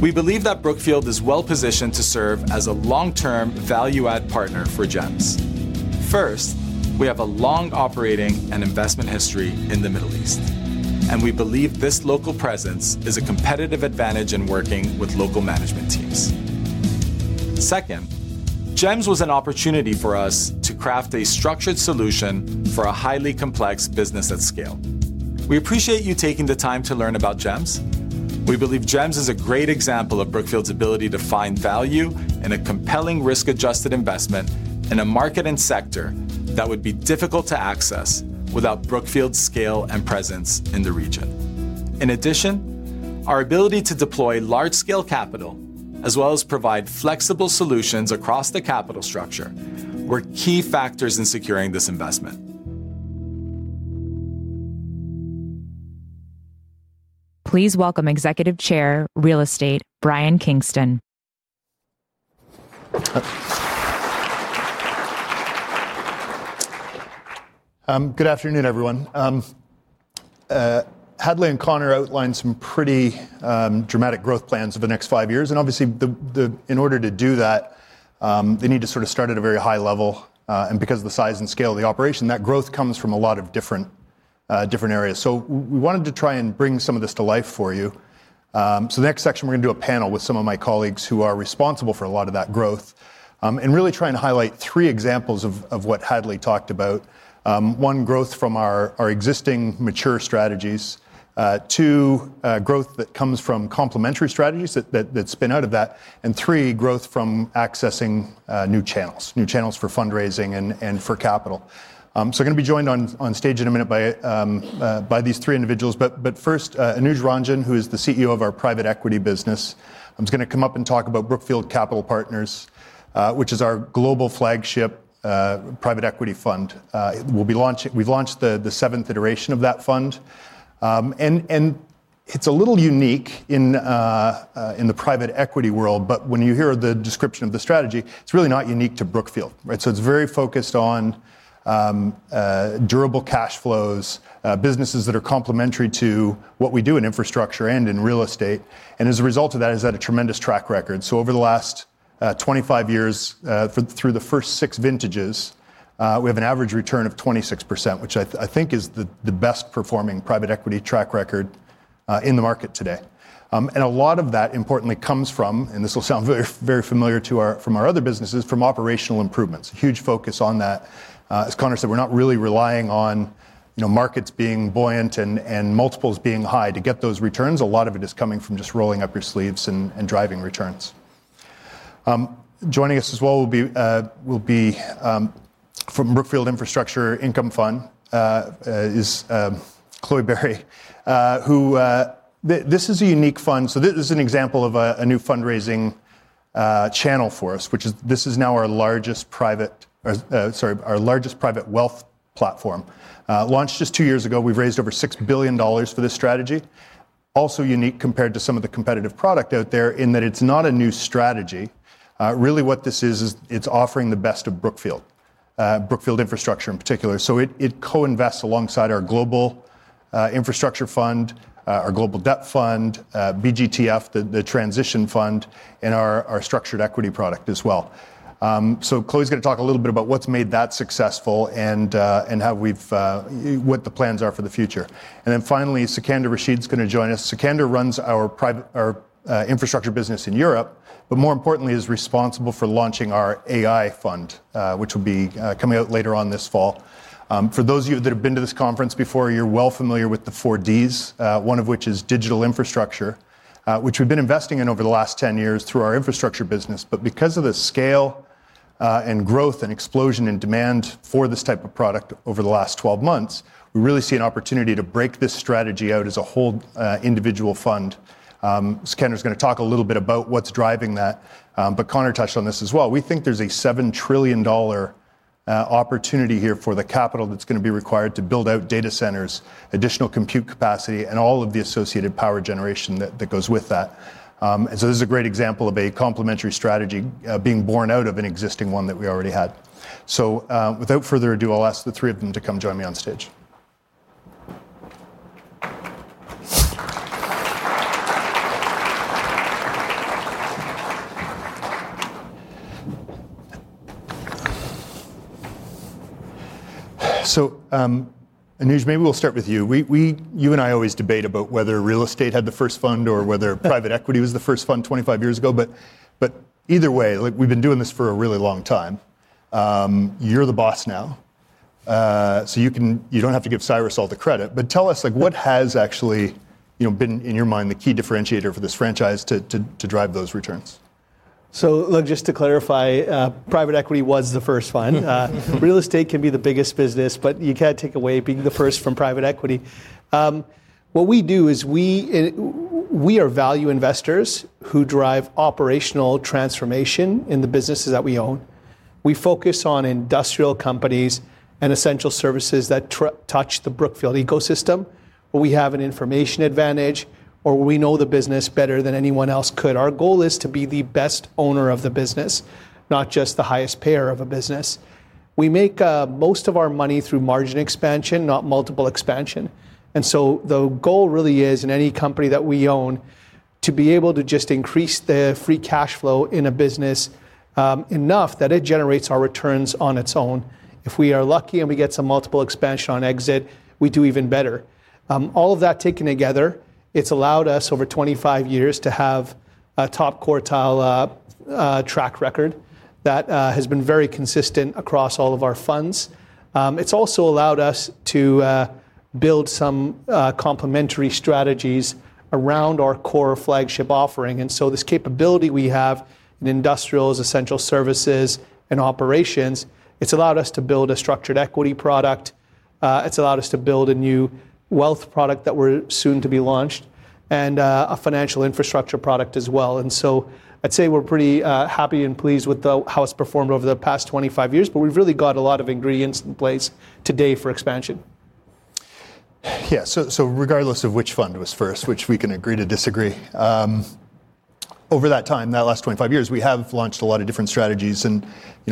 We believe that Brookfield is well-positioned to serve as a long-term value-add partner for GEMS. First, we have a long operating and investment history in the Middle East, and we believe this local presence is a competitive advantage in working with local management teams. Second, GEMS was an opportunity for us to craft a structured solution for a highly complex business at scale. We appreciate you taking the time to learn about GEMS. We believe GEMS is a great example of Brookfield's ability to find value in a compelling risk-adjusted investment in a market and sector that would be difficult to access without Brookfield's scale and presence in the region. In addition, our ability to deploy large-scale capital, as well as provide flexible solutions across the capital structure, were key factors in securing this investment. Please welcome Executive Chair, Real Estate, Brian Kingston. Good afternoon, everyone. Hadley and Connor outlined some pretty dramatic growth plans for the next five years. Obviously, in order to do that, they need to sort of start at a very high level. Because of the size and scale of the operation, that growth comes from a lot of different areas. We wanted to try and bring some of this to life for you. The next section, we're going to do a panel with some of my colleagues who are responsible for a lot of that growth and really try and highlight three examples of what Hadley talked about. One, growth from our existing mature strategies. Two, growth that comes from complementary strategies that spin out of that. Three, growth from accessing new channels, new channels for fundraising and for capital. I'm going to be joined on stage in a minute by these three individuals. First, Anuj Ranjan, who is the CEO of our private equity business, is going to come up and talk about Brookfield Capital Partners, which is our global flagship private equity fund. We've launched the seventh iteration of that fund. It's a little unique in the private equity world, but when you hear the description of the strategy, it's really not unique to Brookfield. It's very focused on durable cash flows, businesses that are complementary to what we do in infrastructure and in real estate. As a result of that, it has had a tremendous track record. Over the last 25 years, through the first six vintages, we have an average return of 26%, which I think is the best performing private equity track record in the market today. A lot of that, importantly, comes from, and this will sound very familiar from our other businesses, from operational improvements. A huge focus on that. As Connor said, we're not really relying on markets being buoyant and multiples being high to get those returns. A lot of it is coming from just rolling up your sleeves and driving returns. Joining us as well will be from Brookfield Infrastructure Income Fund, Chloe Berry, who this is a unique fund. This is an example of a new fundraising channel for us, which is now our largest private, sorry, our largest private wealth platform. Launched just two years ago, we've raised over $6 billion for this strategy. Also unique compared to some of the competitive product out there in that it's not a new strategy. Really, what this is, is it's offering the best of Brookfield, Brookfield Infrastructure in particular. It co-invests alongside our global infrastructure fund, our global debt fund, BGTF, the transition fund, and our structured equity product as well. Chloe is going to talk a little bit about what's made that successful and what the plans are for the future. Finally, Sikander Rashid is going to join us. Sikander runs our infrastructure business in Europe, but more importantly, is responsible for launching our AI fund, which will be coming out later on this fall. For those of you that have been to this conference before, you're well familiar with the four Ds, one of which is digital infrastructure, which we've been investing in over the last 10 years through our infrastructure business. Because of the scale and growth and explosion in demand for this type of product over the last 12 months, we really see an opportunity to break this strategy out as a whole individual fund. Sikander is going to talk a little bit about what's driving that. Connor touched on this as well. We think there's a $7 trillion opportunity here for the capital that's going to be required to build out data centers, additional compute capacity, and all of the associated power generation that goes with that. This is a great example of a complementary strategy being born out of an existing one that we already had. Without further ado, I'll ask the three of them to come join me on stage. Anuj, maybe we'll start with you. You and I always debate about whether real estate had the first fund or whether private equity was the first fund 25 years ago. Either way, we've been doing this for a really long time. You're the boss now. You don't have to give Cyrus all the credit. Tell us, what has actually been in your mind the key differentiator for this franchise to drive those returns? Just to clarify, private equity was the first fund. Real estate can be the biggest business, but you can't take away being the first from private equity. What we do is we are value investors who drive operational transformation in the businesses that we own. We focus on industrial companies and essential services that touch the Brookfield ecosystem, where we have an information advantage or we know the business better than anyone else could. Our goal is to be the best owner of the business, not just the highest payer of a business. We make most of our money through margin expansion, not multiple expansion. The goal really is in any company that we own to be able to just increase the free cash flow in a business enough that it generates our returns on its own. If we are lucky and we get some multiple expansion on exit, we do even better. All of that taken together, it's allowed us over 25 years to have a top quartile track record that has been very consistent across all of our funds. It's also allowed us to build some complementary strategies around our core flagship offering. This capability we have in industrials, essential services, and operations, it's allowed us to build a structured equity product. It's allowed us to build a new wealth product that we're soon to be launched and a financial infrastructure product as well. I'd say we're pretty happy and pleased with how it's performed over the past 25 years, but we've really got a lot of ingredients in place today for expansion. Yeah, so regardless of which fund was first, which we can agree to disagree, over that time, that last 25 years, we have launched a lot of different strategies.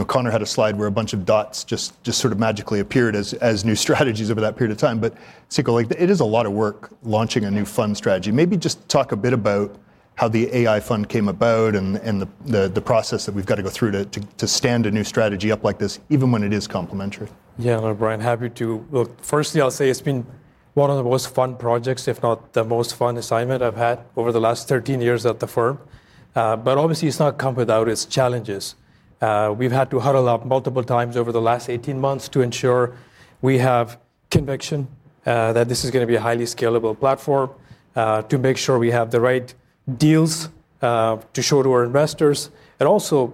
Connor had a slide where a bunch of dots just sort of magically appeared as new strategies over that period of time. Sikander, it is a lot of work launching a new fund strategy. Maybe just talk a bit about how the AI fund came about and the process that we've got to go through to stand a new strategy up like this, even when it is complementary. Yeah, Brian, happy to. Look, firstly, I'll say it's been one of the most fun projects, if not the most fun assignment I've had over the last 13 years at the firm. Obviously, it's not come without its challenges. We've had to huddle up multiple times over the last 18 months to ensure we have conviction that this is going to be a highly scalable platform, to make sure we have the right deals to show to our investors, and also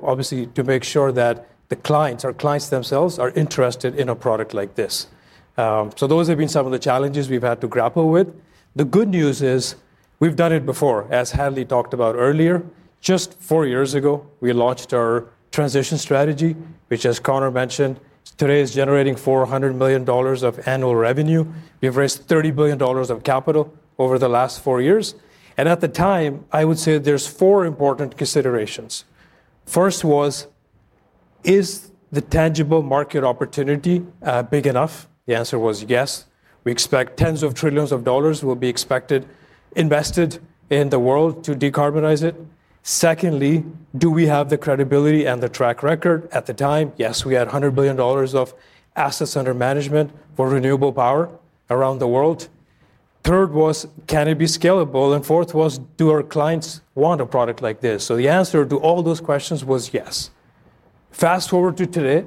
to make sure that the clients, our clients themselves, are interested in a product like this. Those have been some of the challenges we've had to grapple with. The good news is we've done it before, as Hadley talked about earlier. Just four years ago, we launched our transition strategy, which, as Connor mentioned, today is generating $400 million of annual revenue. We've raised $30 billion of capital over the last four years. At the time, I would say there are four important considerations. First was, is the tangible market opportunity big enough? The answer was yes. We expect tens of trillions of dollars will be invested in the world to decarbonize it. Secondly, do we have the credibility and the track record? At the time, yes, we had $100 billion of assets under management for renewable power around the world. Third was, can it be scalable? Fourth was, do our clients want a product like this? The answer to all those questions was yes. Fast forward to today,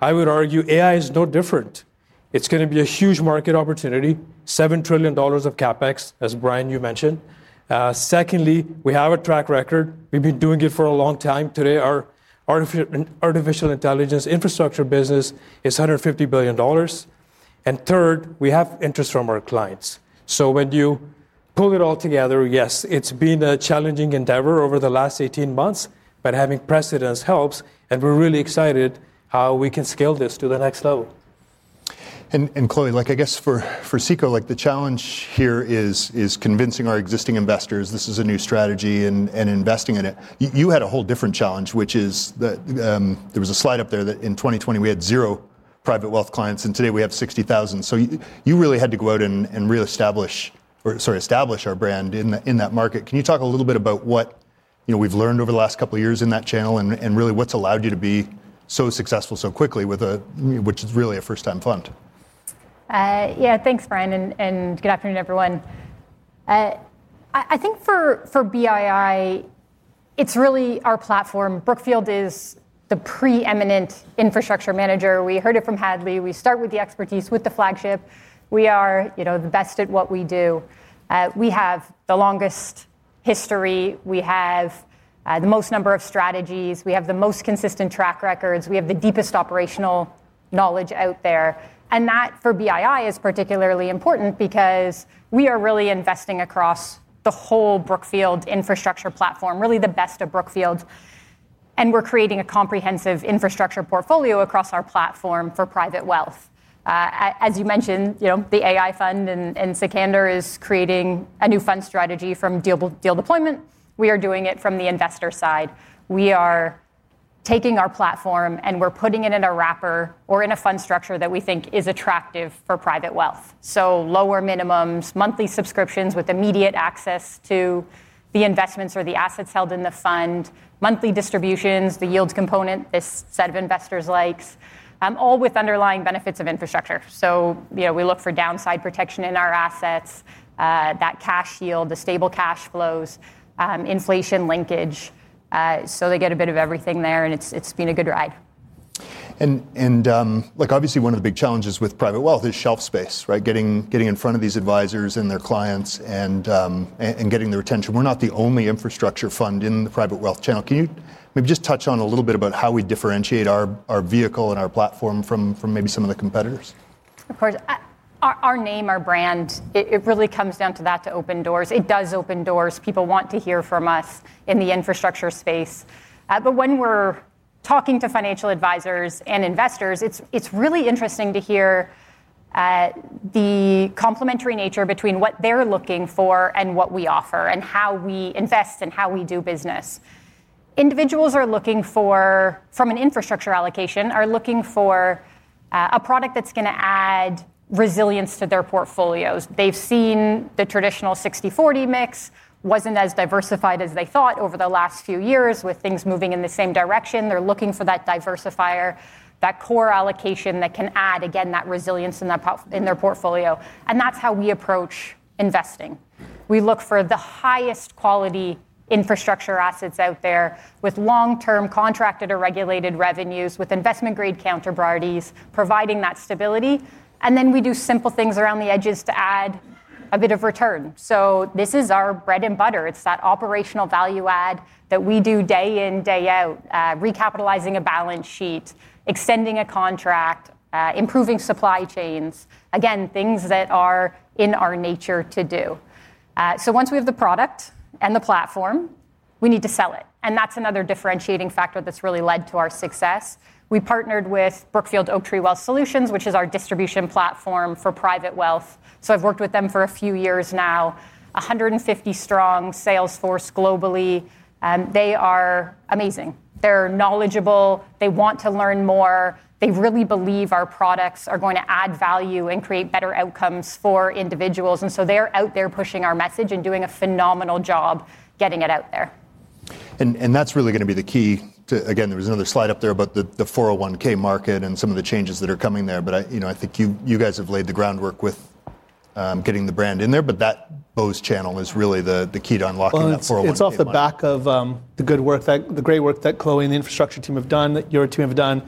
I would argue artificial intelligence is no different. It's going to be a huge market opportunity, $7 trillion of CapEx, as Brian, you mentioned. Secondly, we have a track record. We've been doing it for a long time. Today, our artificial intelligence infrastructure business is $150 billion. Third, we have interest from our clients. When you pull it all together, yes, it's been a challenging endeavor over the last 18 months, but having precedence helps, and we're really excited how we can scale this to the next level. Chloe, for Sikander, the challenge here is convincing our existing investors this is a new strategy and investing in it. You had a whole different challenge, which is that there was a slide up there that in 2020, we had zero private wealth clients, and today we have 60,000. You really had to go out and establish our brand in that market. Can you talk a little bit about what we've learned over the last couple of years in that channel and really what's allowed you to be so successful so quickly, which is really a first-time fund? Yeah, thanks, Brian, and good afternoon, everyone. I think for BII, it's really our platform. Brookfield is the preeminent infrastructure manager. We heard it from Hadley. We start with the expertise with the flagship. We are the best at what we do. We have the longest history. We have the most number of strategies. We have the most consistent track records. We have the deepest operational knowledge out there. That for BII is particularly important because we are really investing across the whole Brookfield infrastructure platform, really the best of Brookfield. We're creating a comprehensive infrastructure portfolio across our platform for private wealth. As you mentioned, the AI fund and Sikander is creating a new fund strategy from deal deployment. We are doing it from the investor side. We are taking our platform and we're putting it in a wrapper or in a fund structure that we think is attractive for private wealth. Lower minimums, monthly subscriptions with immediate access to the investments or the assets held in the fund, monthly distributions, the yield component this set of investors likes, all with underlying benefits of infrastructure. We look for downside protection in our assets, that cash yield, the stable cash flows, inflation linkage. They get a bit of everything there, and it's been a good ride. Obviously, one of the big challenges with private wealth is shelf space, getting in front of these advisors and their clients and getting their attention. We're not the only infrastructure fund in the private wealth channel. Can you maybe just touch on a little bit about how we differentiate our vehicle and our platform from maybe some of the competitors? Of course. Our name, our brand, it really comes down to that to open doors. It does open doors. People want to hear from us in the infrastructure space. When we're talking to financial advisors and investors, it's really interesting to hear the complementary nature between what they're looking for and what we offer and how we invest and how we do business. Individuals are looking for, from an infrastructure allocation, a product that's going to add resilience to their portfolios. They've seen the traditional 60/40 mix wasn't as diversified as they thought over the last few years with things moving in the same direction. They're looking for that diversifier. That core allocation that can add, again, that resilience in their portfolio. That's how we approach investing. We look for the highest quality infrastructure assets out there with long-term contracted or regulated revenues, with investment-grade counterparties providing that stability. We do simple things around the edges to add a bit of return. This is our bread and butter. It's that operational value add that we do day in, day out, recapitalizing a balance sheet, extending a contract, improving supply chains. Things that are in our nature to do. Once we have the product and the platform, we need to sell it. That's another differentiating factor that's really led to our success. We partnered with Brookfield Oaktree Wealth Solutions, which is our distribution platform for private wealth. I've worked with them for a few years now. 150 strong sales force globally. They are amazing. They're knowledgeable. They want to learn more. They really believe our products are going to add value and create better outcomes for individuals. They're out there pushing our message and doing a phenomenal job getting it out there. That's really going to be the key to, again, there was another slide up there about the 401(k) market and some of the changes that are coming there. I think you guys have laid the groundwork with getting the brand in there. That BOWS channel is really the key to unlocking that 401(k). It's off the back of the good work, the great work that Chloe and the infrastructure team have done, that your team have done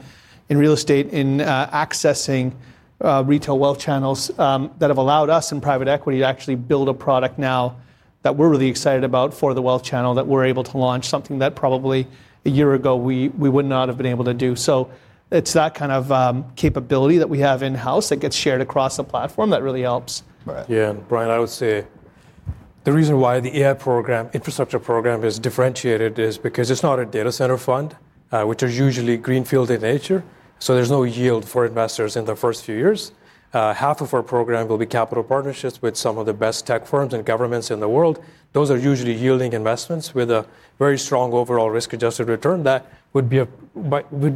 in real estate, in accessing retail wealth channels that have allowed us in private equity to actually build a product now that we're really excited about for the wealth channel that we're able to launch, something that probably a year ago we would not have been able to do. It's that kind of capability that we have in-house that gets shared across a platform that really helps. Yeah. Brian, I would say the reason why the AI infrastructure program is differentiated is because it's not a data center fund, which is usually greenfield in nature. There's no yield for investors in the first few years. Half of our program will be capital partnerships with some of the best tech firms and governments in the world. Those are usually yielding investments with a very strong overall risk-adjusted return that would be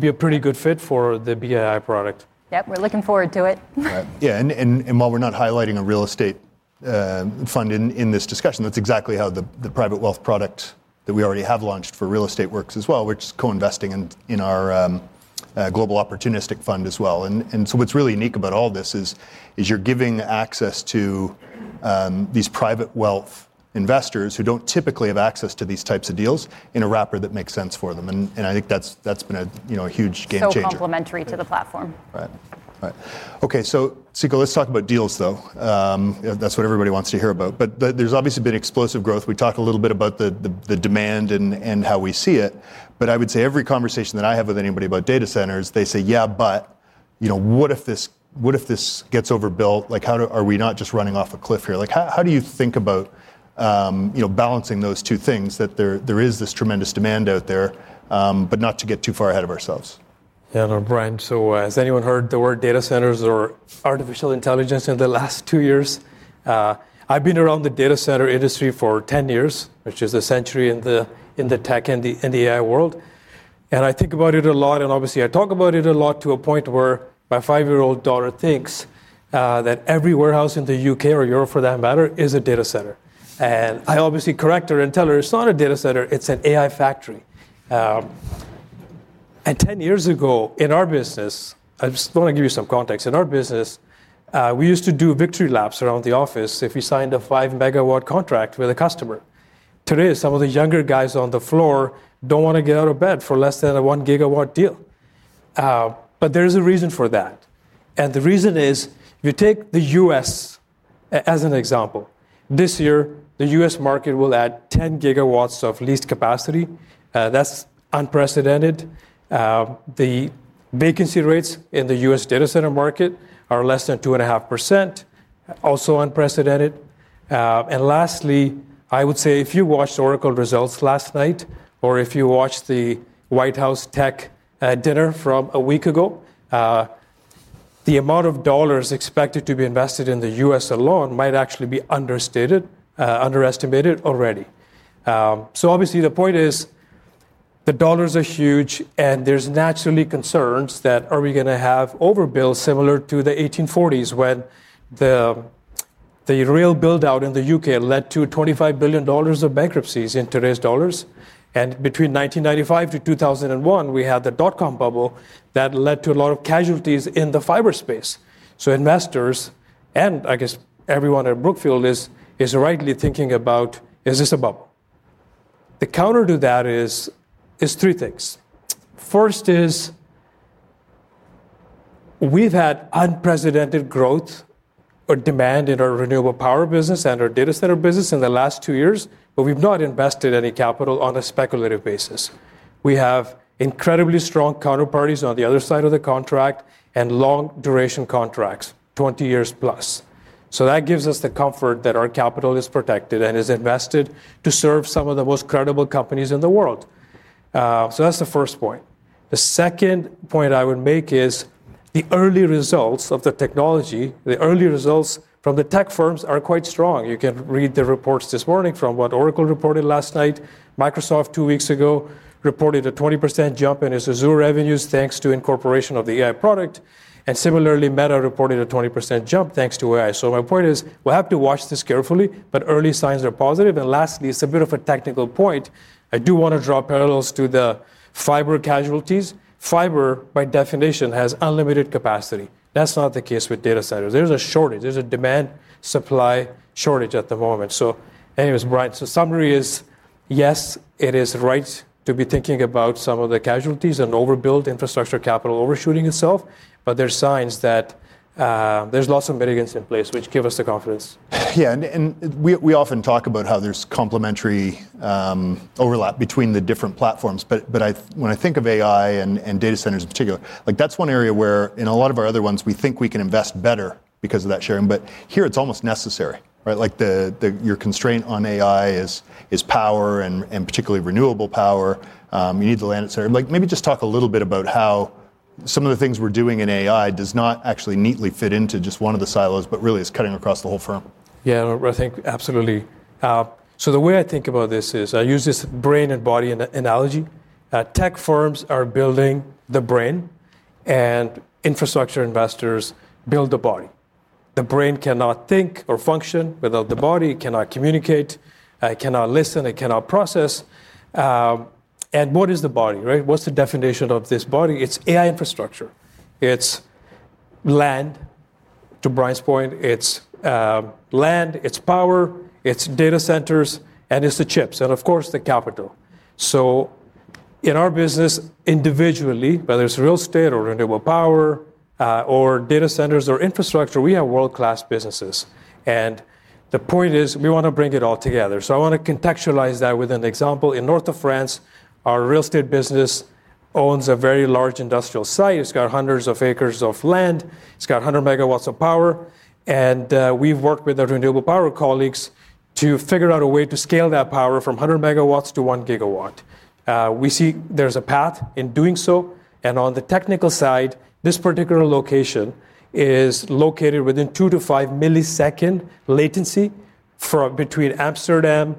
a pretty good fit for the BII product. Yep, we're looking forward to it. While we're not highlighting a real estate fund in this discussion, that's exactly how the private wealth product that we already have launched for real estate works as well, which is co-investing in our global opportunistic fund as well. What's really unique about all this is you're giving access to these private wealth investors who don't typically have access to these types of deals in a wrapper that makes sense for them. I think that's been a huge game changer. Complementary to the platform. Right. Okay, so Sikander, let's talk about deals. That's what everybody wants to hear about. There's obviously been explosive growth. We talked a little bit about the demand and how we see it. I would say every conversation that I have with anybody about data centers, they say, yeah, but you know what if this gets overbuilt? Are we not just running off a cliff here? How do you think about balancing those two things, that there is this tremendous demand out there, but not to get too far ahead of ourselves? Yeah, Brian, has anyone heard the word data centers or artificial intelligence in the last two years? I've been around the data center industry for 10 years, which is a century in the tech and the AI world. I think about it a lot. Obviously, I talk about it a lot to a point where my five-year-old daughter thinks that every warehouse in the U.K. or Europe, for that matter, is a data center. I obviously correct her and tell her it's not a data center. It's an AI factory. Ten years ago, in our business, I just want to give you some context. In our business, we used to do victory laps around the office if you signed a 5 MW contract with a customer. Today, some of the younger guys on the floor don't want to get out of bed for less than a 1 GW deal. There is a reason for that. The reason is, if you take the U.S. as an example, this year, the U.S. market will add 10 GW of leased capacity. That's unprecedented. The vacancy rates in the U.S. data center market are less than 2.5%, also unprecedented. Lastly, I would say if you watched Oracle results last night or if you watched the White House Tech Dinner from a week ago, the amount of dollars expected to be invested in the U.S. alone might actually be underestimated already. Obviously, the point is the dollars are huge. There's naturally concerns that are we going to have overbuilds similar to the 1840s when the real buildout in the U.K. led to $25 billion of bankruptcies in today's dollars? Between 1995-2001, we had the dot com bubble that led to a lot of casualties in the cyberspace. Investors and, I guess, everyone at Brookfield is rightly thinking about, is this a bubble? The counter to that is three things. First is we've had unprecedented growth or demand in our renewable power business and our data center business in the last two years. We've not invested any capital on a speculative basis. We have incredibly strong counterparties on the other side of the contract and long-duration contracts, 20+ years. That gives us the comfort that our capital is protected and is invested to serve some of the most credible companies in the world. That's the first point. The second point I would make is the early results of the technology, the early results from the tech firms are quite strong. You can read the reports this morning from what Oracle reported last night. Microsoft, two weeks ago, reported a 20% jump in its Azure revenues thanks to incorporation of the AI product. Similarly, Meta reported a 20% jump thanks to AI. My point is we have to watch this carefully. Early signs are positive. Lastly, it's a bit of a technical point. I do want to draw parallels to the fiber casualties. Fiber, by definition, has unlimited capacity. That's not the case with data centers. There's a shortage. There's a demand-supply shortage at the moment. Brian, summary is, yes, it is right to be thinking about some of the casualties and overbuild infrastructure capital overshooting itself. There are signs that there's lots of mitigants in place, which give us the confidence. Yeah. We often talk about how there's complementary overlap between the different platforms. When I think of AI and data centers in particular, that's one area where, in a lot of our other ones, we think we can invest better because of that sharing. Here, it's almost necessary. Your constraint on AI is power and particularly renewable power. You need to land it. Maybe just talk a little bit about how some of the things we're doing in AI do not actually neatly fit into just one of the silos, but really is cutting across the whole firm. Yeah, I think absolutely. The way I think about this is I use this brain and body analogy. Tech firms are building the brain, and infrastructure investors build the body. The brain cannot think or function without the body. It cannot communicate, it cannot listen, it cannot process. What is the body? What's the definition of this body? It's AI infrastructure. It's land, to Brian's point. It's land, it's power, it's data centers, and it's the chips, and of course, the capital. In our business, individually, whether it's real estate or renewable power or data centers or infrastructure, we have world-class businesses. The point is we want to bring it all together. I want to contextualize that with an example. In north of France, our real estate business owns a very large industrial site. It's got hundreds of acres of land. It's got 100 MW of power, and we've worked with our renewable power colleagues to figure out a way to scale that power from 100 MW to 1 GW. We see there's a path in doing so. On the technical side, this particular location is located within 2-5 millisecond latency between Amsterdam,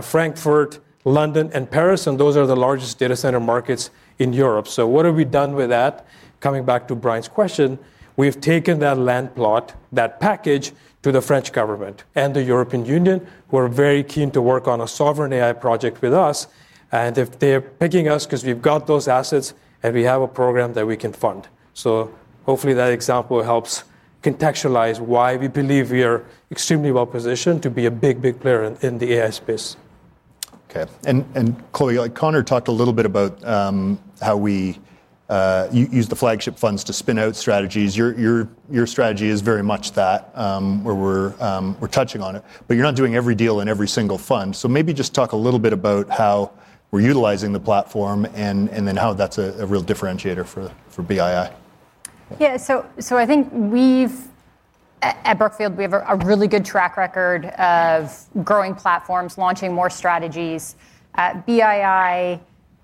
Frankfurt, London, and Paris, and those are the largest data center markets in Europe. What have we done with that? Coming back to Brian's question, we've taken that land plot, that package to the French government and the European Union, who are very keen to work on a sovereign AI project with us. They're picking us because we've got those assets, and we have a program that we can fund. Hopefully, that example helps contextualize why we believe we are extremely well positioned to be a big, big player in the AI space. OK. Chloe, like Connor talked a little bit about how we use the flagship funds to spin out strategies. Your strategy is very much that, where we're touching on it. You're not doing every deal in every single fund. Maybe just talk a little bit about how we're utilizing the platform and then how that's a real differentiator for BII. Yeah. I think we've, at Brookfield, we have a really good track record of growing platforms, launching more strategies. BII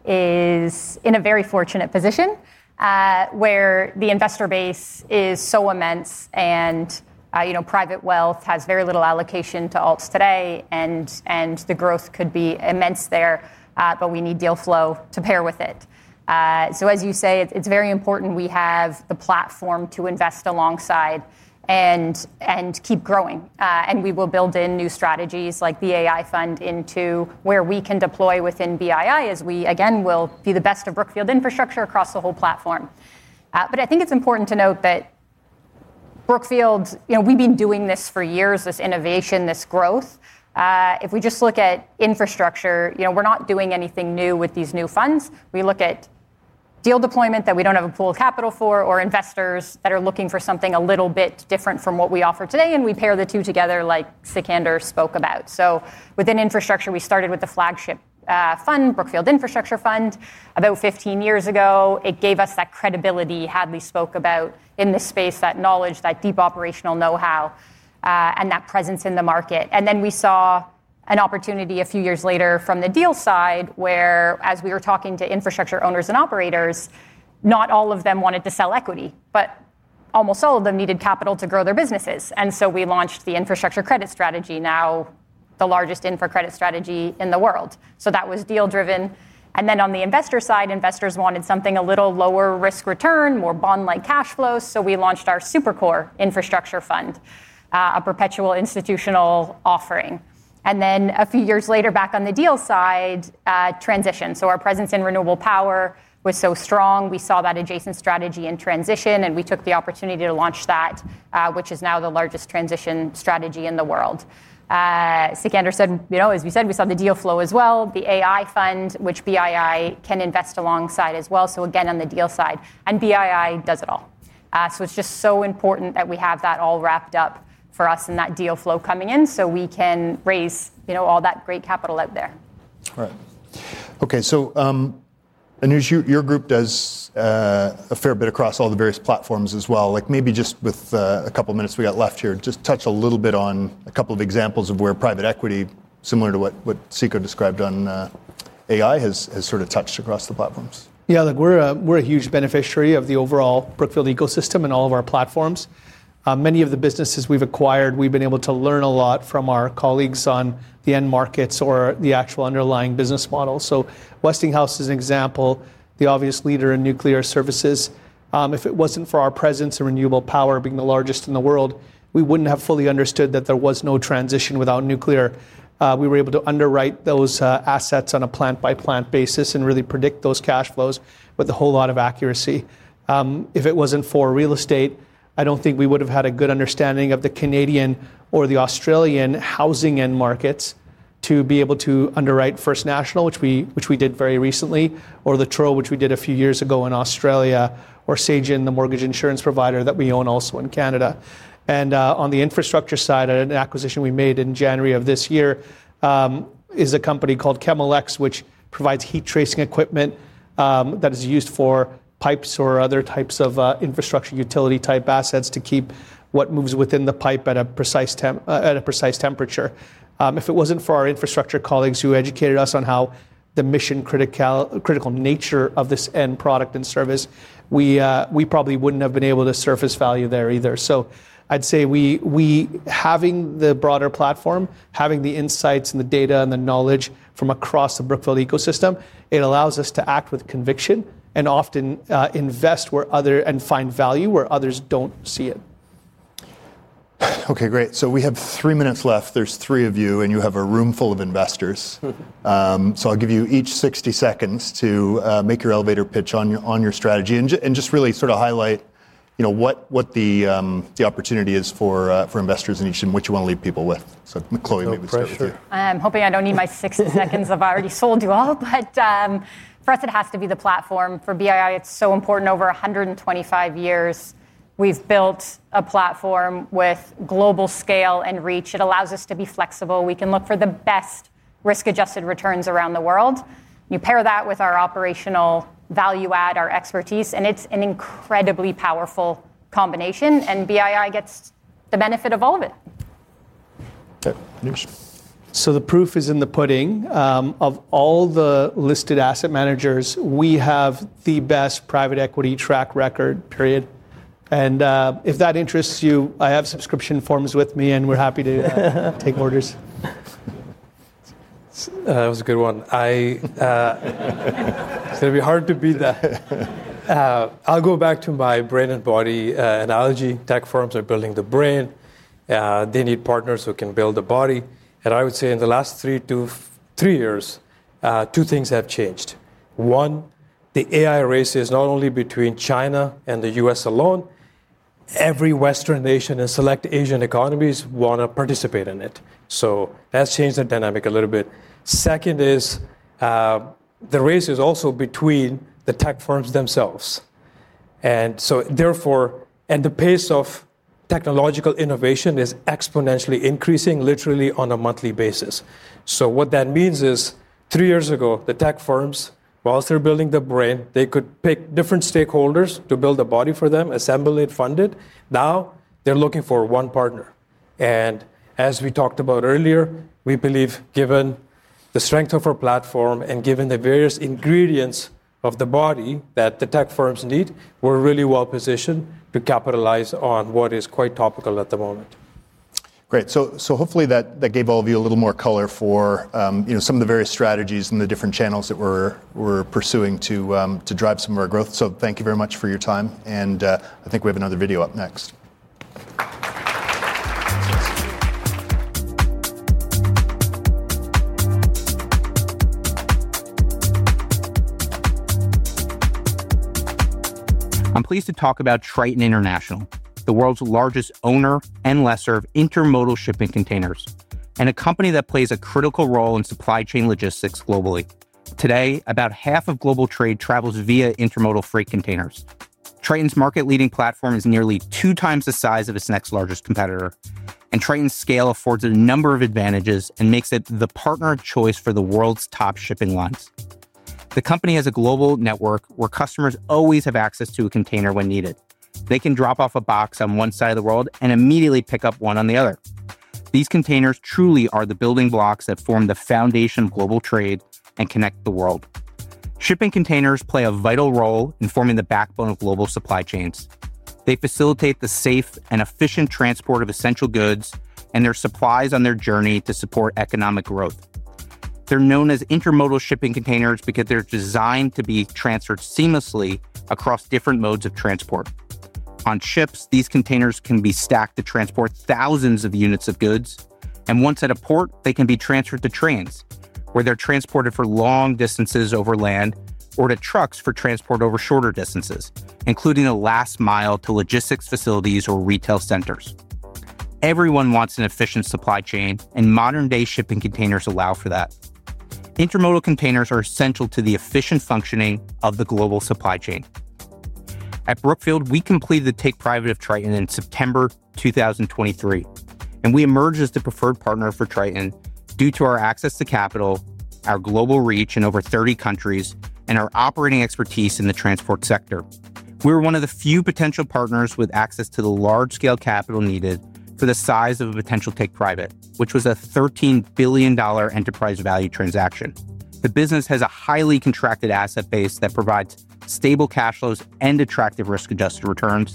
is in a very fortunate position, where the investor base is so immense. Private wealth has very little allocation to alts today, and the growth could be immense there. We need deal flow to pair with it. As you say, it's very important we have the platform to invest alongside and keep growing. We will build in new strategies, like the AI fund, into where we can deploy within BII, as we, again, will be the best of Brookfield infrastructure across the whole platform. I think it's important to note that Brookfield, we've been doing this for years, this innovation, this growth. If we just look at infrastructure, we're not doing anything new with these new funds. We look at deal deployment that we don't have a pool of capital for or investors that are looking for something a little bit different from what we offer today. We pair the two together, like Sikander spoke about. Within infrastructure, we started with the flagship fund, Brookfield Infrastructure Fund, about 15 years ago. It gave us that credibility Hadley spoke about in this space, that knowledge, that deep operational know-how, and that presence in the market. Then we saw an opportunity a few years later from the deal side, where, as we were talking to infrastructure owners and operators, not all of them wanted to sell equity. Almost all of them needed capital to grow their businesses, and so we launched the infrastructure credit strategy, now the largest infra credit strategy in the world. That was deal-driven. On the investor side, investors wanted something a little lower risk return, more bond-like cash flow, so we launched our SuperCore Infrastructure Fund, a perpetual institutional offering. A few years later, back on the deal side, transition. Our presence in renewable power was so strong, we saw that adjacent strategy in transition, and we took the opportunity to launch that, which is now the largest transition strategy in the world. Sikander said, as we said, we saw the deal flow as well. The AI fund, which BII can invest alongside as well, so again, on the deal side. BII does it all. It's just so important that we have that all wrapped up for us and that deal flow coming in so we can raise all that great capital out there. Right. Okay. I notice your group does a fair bit across all the various platforms as well. Maybe just with a couple of minutes we got left here, just touch a little bit on a couple of examples of where private equity, similar to what Siegel described on AI, has sort of touched across the platforms. Yeah. We're a huge beneficiary of the overall Brookfield ecosystem and all of our platforms. Many of the businesses we've acquired, we've been able to learn a lot from our colleagues on the end markets or the actual underlying business model. Westinghouse is an example, the obvious leader in nuclear services. If it wasn't for our presence in renewable power being the largest in the world, we wouldn't have fully understood that there was no transition without nuclear. We were able to underwrite those assets on a plant-by-plant basis and really predict those cash flows with a whole lot of accuracy. If it wasn't for real estate, I don't think we would have had a good understanding of the Canadian or the Australian housing end markets to be able to underwrite First National, which we did very recently, or Latro, which we did a few years ago in Australia, or Sagen, the mortgage insurance provider that we own also in Canada. On the infrastructure side, an acquisition we made in January of this year is a company called ChemelX, which provides heat tracing equipment that is used for pipes or other types of infrastructure utility-type assets to keep what moves within the pipe at a precise temperature. If it wasn't for our infrastructure colleagues who educated us on how the mission-critical nature of this end product and service, we probably wouldn't have been able to surface value there either. I'd say having the broader platform, having the insights and the data and the knowledge from across the Brookfield ecosystem, it allows us to act with conviction and often invest and find value where others don't see it. Okay, great. We have three minutes left. There's three of you, and you have a room full of investors. I'll give you each 60 seconds to make your elevator pitch on your strategy and just really sort of highlight what the opportunity is for investors in each and what you want to leave people with. Chloe, maybe we start with you. I'm hoping I don't need my 60 seconds. I've already sold you all. For us, it has to be the platform. For BII, it's so important. Over 125 years, we've built a platform with global scale and reach. It allows us to be flexible. We can look for the best risk-adjusted returns around the world. You pair that with our operational value add, our expertise. It's an incredibly powerful combination. BII gets the benefit of all of it. Okay. The proof is in the pudding. Of all the listed asset managers, we have the best private equity track record, period. If that interests you, I have subscription forms with me and we're happy to take orders. That was a good one. It's going to be hard to beat that. I'll go back to my brain and body analogy. Tech firms are building the brain. They need partners who can build the body. I would say in the last three years, two things have changed. One, the AI race is not only between China and the U.S. alone. Every Western nation and select Asian economies want to participate in it. That's changed the dynamic a little bit. The race is also between the tech firms themselves. Therefore, the pace of technological innovation is exponentially increasing, literally on a monthly basis. What that means is three years ago, the tech firms, whilst they're building the brain, could pick different stakeholders to build a body for them, assemble it, fund it. Now they're looking for one partner. As we talked about earlier, we believe given the strength of our platform and given the various ingredients of the body that the tech firms need, we're really well positioned to capitalize on what is quite topical at the moment. Great. Hopefully, that gave all of you a little more color for some of the various strategies and the different channels that we're pursuing to drive some of our growth. Thank you very much for your time. I think we have another video up next. I'm pleased to talk about Triton International, the world's largest owner and lessor of intermodal shipping containers and a company that plays a critical role in supply chain logistics globally. Today, about half of global trade travels via intermodal freight containers. Triton's market-leading platform is nearly 2x the size of its next largest competitor. Triton's scale affords a number of advantages and makes it the partner of choice for the world's top shipping lines. The company has a global network where customers always have access to a container when needed. They can drop off a box on one side of the world and immediately pick up one on the other. These containers truly are the building blocks that form the foundation of global trade and connect the world. Shipping containers play a vital role in forming the backbone of global supply chains. They facilitate the safe and efficient transport of essential goods and their supplies on their journey to support economic growth. They're known as intermodal shipping containers because they're designed to be transferred seamlessly across different modes of transport. On ships, these containers can be stacked to transport thousands of units of goods. Once at a port, they can be transferred to trains, where they're transported for long distances over land, or to trucks for transport over shorter distances, including the last mile to logistics facilities or retail centers. Everyone wants an efficient supply chain. Modern-day shipping containers allow for that. Intermodal containers are essential to the efficient functioning of the global supply chain. At Brookfield, we completed the take-private of Triton in September 2023. We emerged as the preferred partner for Triton due to our access to capital, our global reach in over 30 countries, and our operating expertise in the transport sector. We were one of the few potential partners with access to the large-scale capital needed for the size of a potential take-private, which was a $13 billion enterprise value transaction. The business has a highly contracted asset base that provides stable cash flows and attractive risk-adjusted returns.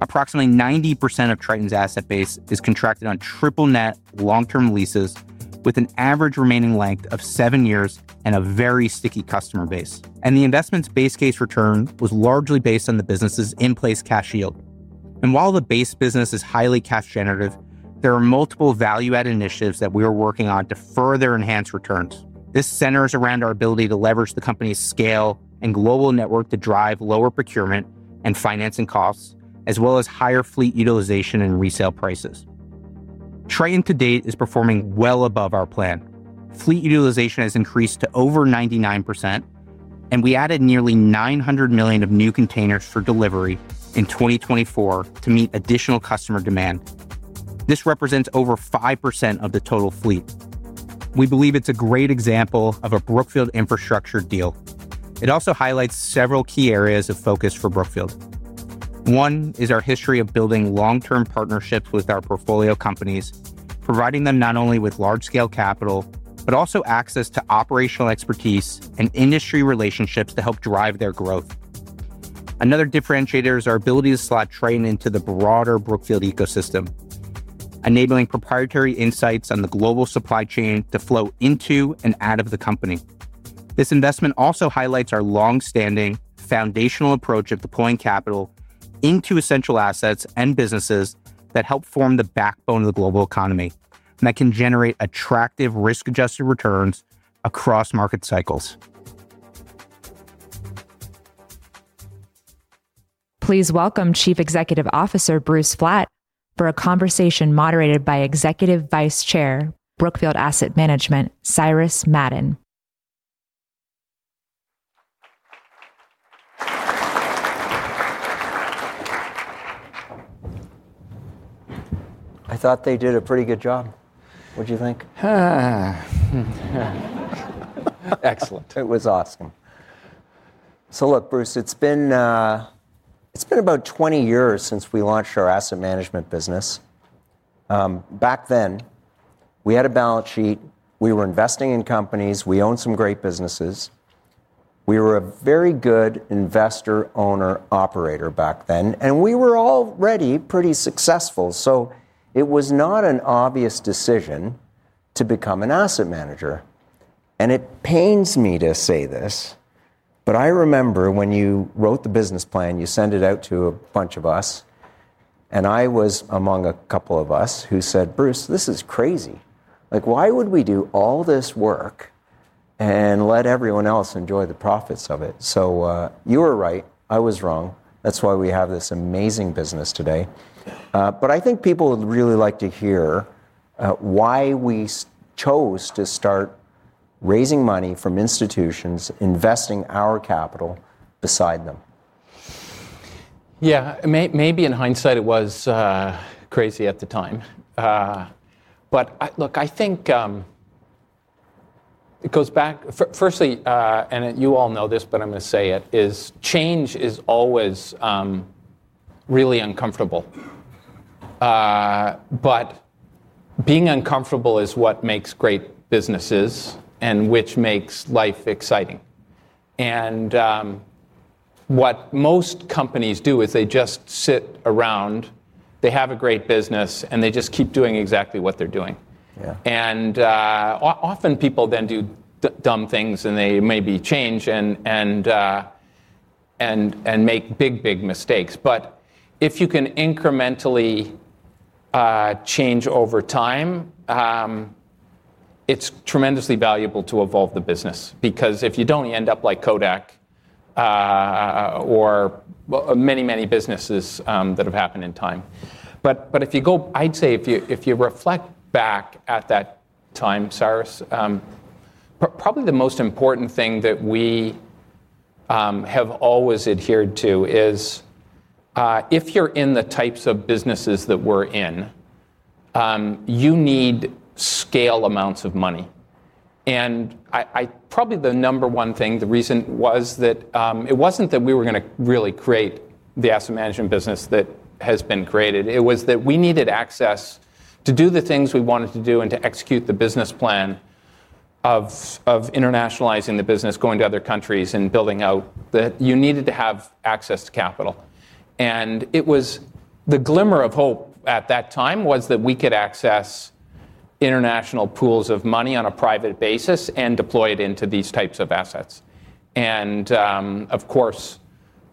Approximately 90% of Triton's asset base is contracted on triple net long-term leases, with an average remaining length of seven years and a very sticky customer base. The investment's base case return was largely based on the business's in-place cash yield. While the base business is highly cash generative, there are multiple value-add initiatives that we are working on to further enhance returns. This centers around our ability to leverage the company's scale and global network to drive lower procurement and financing costs, as well as higher fleet utilization and resale prices. Triton to date is performing well above our plan. Fleet utilization has increased to over 99%. We added nearly $900 million of new containers for delivery in 2024 to meet additional customer demand. This represents over 5% of the total fleet. We believe it's a great example of a Brookfield infrastructure deal. It also highlights several key areas of focus for Brookfield. One is our history of building long-term partnerships with our portfolio companies, providing them not only with large-scale capital but also access to operational expertise and industry relationships to help drive their growth. Another differentiator is our ability to slot Triton into the broader Brookfield ecosystem, enabling proprietary insights on the global supply chain to flow into and out of the company. This investment also highlights our longstanding foundational approach of deploying capital into essential assets and businesses that help form the backbone of the global economy, that can generate attractive risk-adjusted returns across market cycles. Please welcome Chief Executive Officer Bruce Flatt for a conversation moderated by Executive Vice Chair, Brookfield Asset Management, Cyrus Madon. I thought they did a pretty good job. What do you think? Excellent. It was awesome. Look, Bruce, it's been about 20 years since we launched our asset management business. Back then, we had a balance sheet. We were investing in companies. We owned some great businesses. We were a very good investor-owner-operator back then. We were already pretty successful. It was not an obvious decision to become an asset manager. It pains me to say this, but I remember when you wrote the business plan, you sent it out to a bunch of us. I was among a couple of us who said, Bruce, this is crazy. Like, why would we do all this work and let everyone else enjoy the profits of it? You were right. I was wrong. That's why we have this amazing business today. I think people would really like to hear why we chose to start raising money from institutions, investing our capital beside them. Maybe in hindsight, it was crazy at the time. I think it goes back, firstly, and you all know this, but I'm going to say it, change is always really uncomfortable. Being uncomfortable is what makes great businesses and which makes life exciting. What most companies do is they just sit around. They have a great business. They just keep doing exactly what they're doing. Often, people then do dumb things. They maybe change and make big, big mistakes. If you can incrementally change over time, it's tremendously valuable to evolve the business. If you don't, you end up like Kodak or many, many businesses that have happened in time. If you reflect back at that time, Cyrus, probably the most important thing that we have always adhered to is if you're in the types of businesses that we're in, you need scale amounts of money. Probably the number one thing, the reason was that it wasn't that we were going to really create the asset management business that has been created. It was that we needed access to do the things we wanted to do and to execute the business plan of internationalizing the business, going to other countries, and building out. You needed to have access to capital. The glimmer of hope at that time was that we could access international pools of money on a private basis and deploy it into these types of assets. Of course,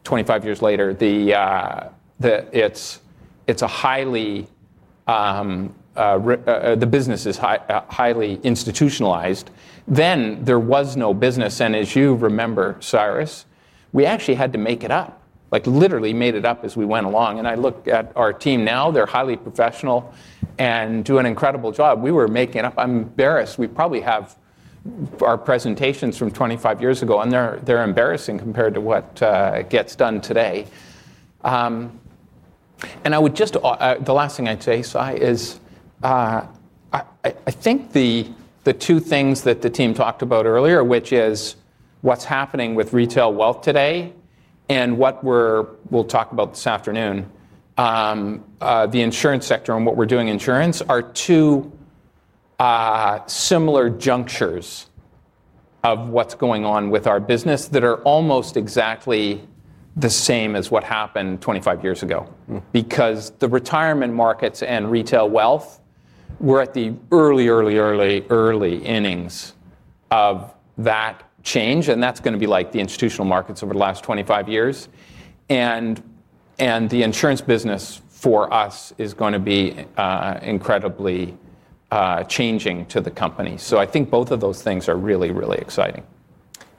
25 years later, the business is highly institutionalized. There was no business. As you remember, Cyrus, we actually had to make it up, like literally made it up as we went along. I look at our team now. They're highly professional and do an incredible job. We were making it up. I'm embarrassed. We probably have our presentations from 25 years ago, and they're embarrassing compared to what gets done today. The last thing I'd say is I think the two things that the team talked about earlier, which is what's happening with retail wealth today and what we'll talk about this afternoon, the insurance sector and what we're doing in insurance, are two similar junctures of what's going on with our business that are almost exactly the same as what happened 25 years ago. The retirement markets and retail wealth were at the early, early, early, early innings of that change, and that's going to be like the institutional markets over the last 25 years. The insurance business for us is going to be incredibly changing to the company. I think both of those things are really, really exciting.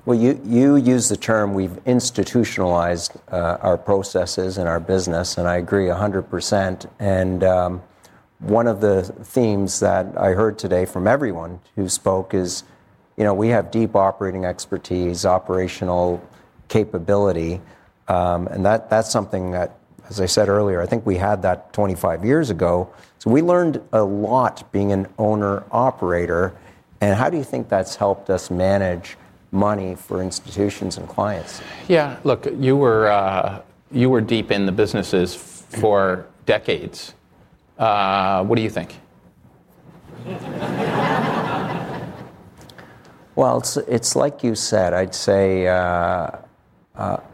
You use the term we've institutionalized our processes in our business. I agree 100%. One of the themes that I heard today from everyone who spoke is we have deep operating expertise, operational capability. That's something that, as I said earlier, I think we had that 25 years ago. We learned a lot being an owner-operator. How do you think that's helped us manage money for institutions and clients? Yeah. Look, you were deep in the businesses for decades. What do you think? It's like you said. I'd say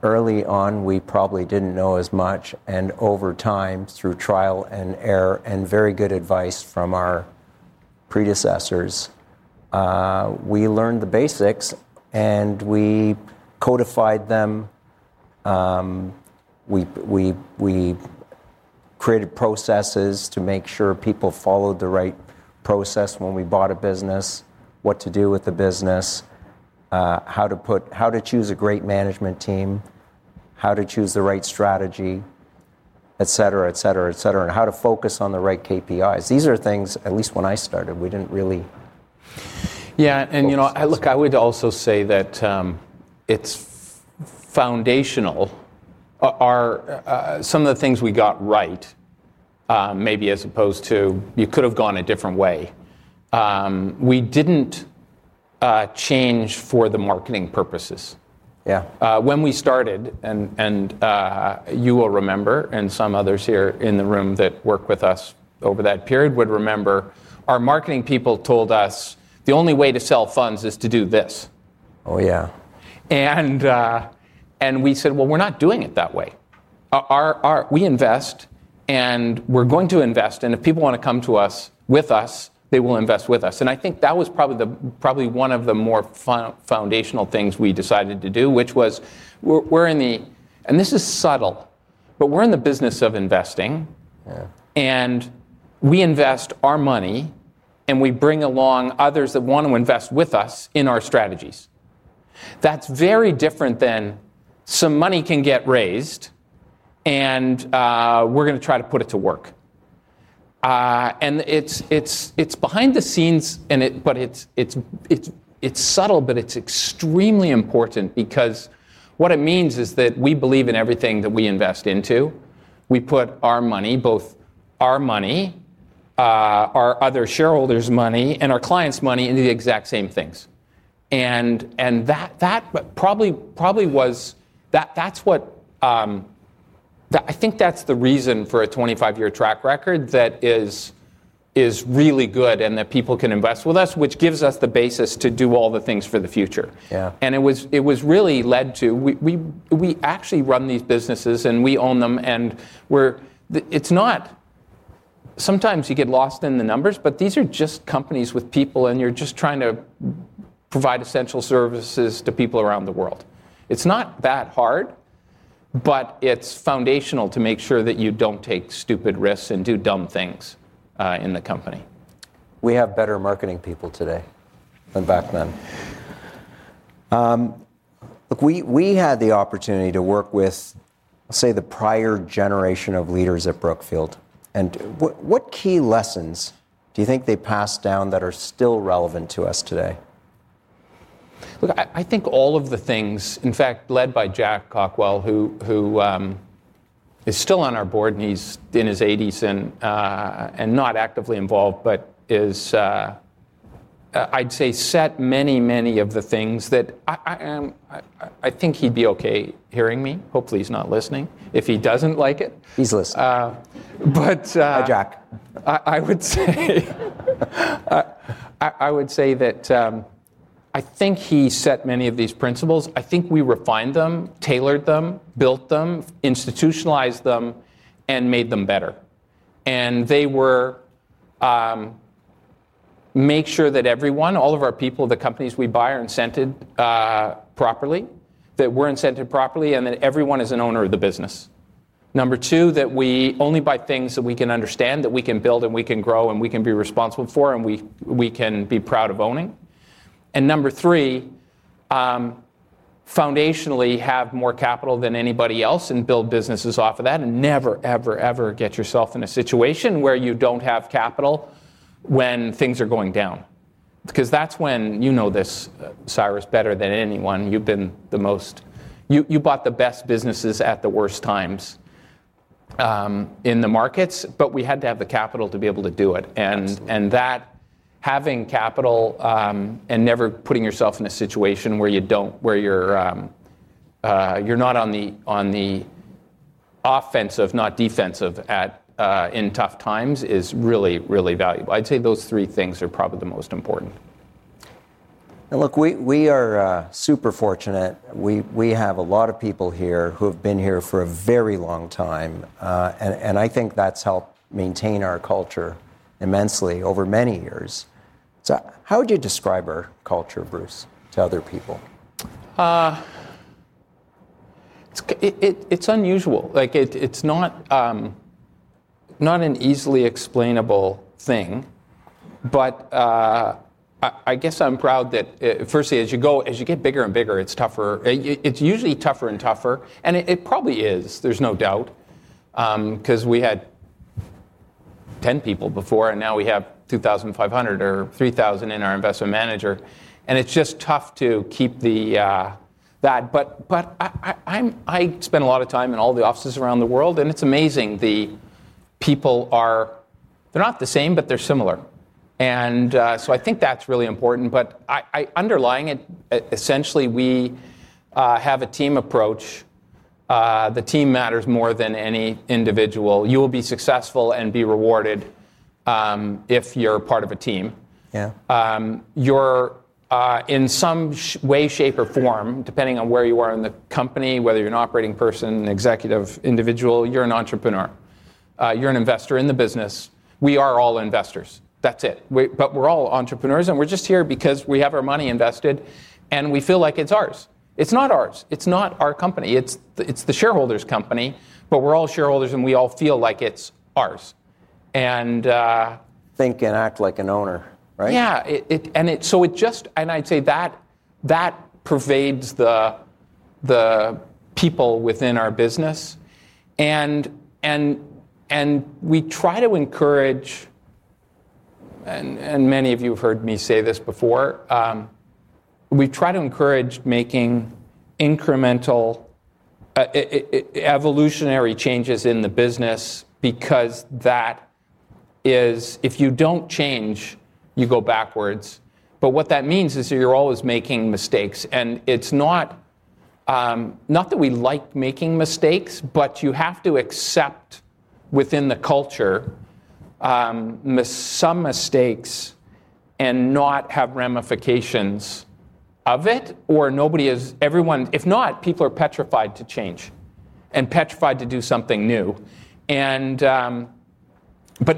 early on, we probably didn't know as much. Over time, through trial and error and very good advice from our predecessors, we learned the basics. We codified them. We created processes to make sure people followed the right process when we bought a business, what to do with the business, how to choose a great management team, how to choose the right strategy, et cetera, et cetera, et cetera, and how to focus on the right KPIs. These are things, at least when I started, we didn't really. Yeah. You know, I would also say that it's foundational. Some of the things we got right, maybe as opposed to you could have gone a different way. We didn't change for the marketing purposes. Yeah. When we started, and you will remember, and some others here in the room that work with us over that period would remember, our marketing people told us the only way to sell funds is to do this. Oh, yeah. We said, we're not doing it that way. We invest. We're going to invest. If people want to come with us, they will invest with us. I think that was probably one of the more foundational things we decided to do, which was, and this is subtle, but we're in the business of investing. We invest our money, and we bring along others that want to invest with us in our strategies. That's very different than some money can get raised, and we're going to try to put it to work. It's behind the scenes, but it's subtle, and it's extremely important. What it means is that we believe in everything that we invest into. We put our money, both our money, our other shareholders' money, and our clients' money into the exact same things. That probably was, that's what I think, that's the reason for a 25-year track record that is really good and that people can invest with us, which gives us the basis to do all the things for the future. Yeah. It was really led to we actually run these businesses, and we own them. Sometimes you get lost in the numbers, but these are just companies with people, and you're just trying to provide essential services to people around the world. It's not that hard, but it's foundational to make sure that you don't take stupid risks and do dumb things in the company. We have better marketing people today than back then. We had the opportunity to work with, I'll say, the prior generation of leaders at Brookfield Asset Management. What key lessons do you think they passed down that are still relevant to us today? I think all of the things, in fact, led by Jack Cockwell, who is still on our board. He's in his 80s and not actively involved, but I'd say set many, many of the things that I think he'd be Okay hearing me. Hopefully, he's not listening if he doesn't like it. He's listening. But. Hi, Jack. I would say that I think he set many of these principles. I think we refined them, tailored them, built them, institutionalized them, and made them better. They were make sure that everyone, all of our people, the companies we buy are incented properly, that we're incented properly, and that everyone is an owner of the business. Number two, that we only buy things that we can understand, that we can build, and we can grow, and we can be responsible for, and we can be proud of owning. Number three, foundationally, have more capital than anybody else and build businesses off of that. Never, ever, ever get yourself in a situation where you don't have capital when things are going down. That's when you know this, Cyrus, better than anyone. You've been the most, you bought the best businesses at the worst times in the markets. We had to have the capital to be able to do it. Having capital and never putting yourself in a situation where you're not on the offensive, not defensive in tough times is really, really valuable. I'd say those three things are probably the most important. We are super fortunate. We have a lot of people here who have been here for a very long time. I think that's helped maintain our culture immensely over many years. How would you describe our culture, Bruce, to other people? It's unusual. It's not an easily explainable thing. I guess I'm proud that firstly, as you go, as you get bigger and bigger, it's tougher. It's usually tougher and tougher. It probably is. There's no doubt. We had 10 people before, and now we have 2,500 or 3,000 in our investment manager. It's just tough to keep that. I spend a lot of time in all the offices around the world. It's amazing. The people are, they're not the same, but they're similar. I think that's really important. Underlying it, essentially, we have a team approach. The team matters more than any individual. You will be successful and be rewarded if you're part of a team. Yeah. You're, in some way, shape, or form, depending on where you are in the company, whether you're an operating person, an executive, individual, you're an entrepreneur, you're an investor in the business. We are all investors. That's it. We're all entrepreneurs. We're just here because we have our money invested, and we feel like it's ours. It's not ours. It's not our company. It's the shareholders' company. We're all shareholders, and we all feel like it's ours. Think and act like an owner, right? It just, and I'd say that pervades the people within our business. We try to encourage, and many of you have heard me say this before, we try to encourage making incremental evolutionary changes in the business. If you don't change, you go backwards. What that means is that you're always making mistakes. It's not that we like making mistakes, but you have to accept, within the culture, some mistakes and not have ramifications of it. If not, people are petrified to change and petrified to do something new.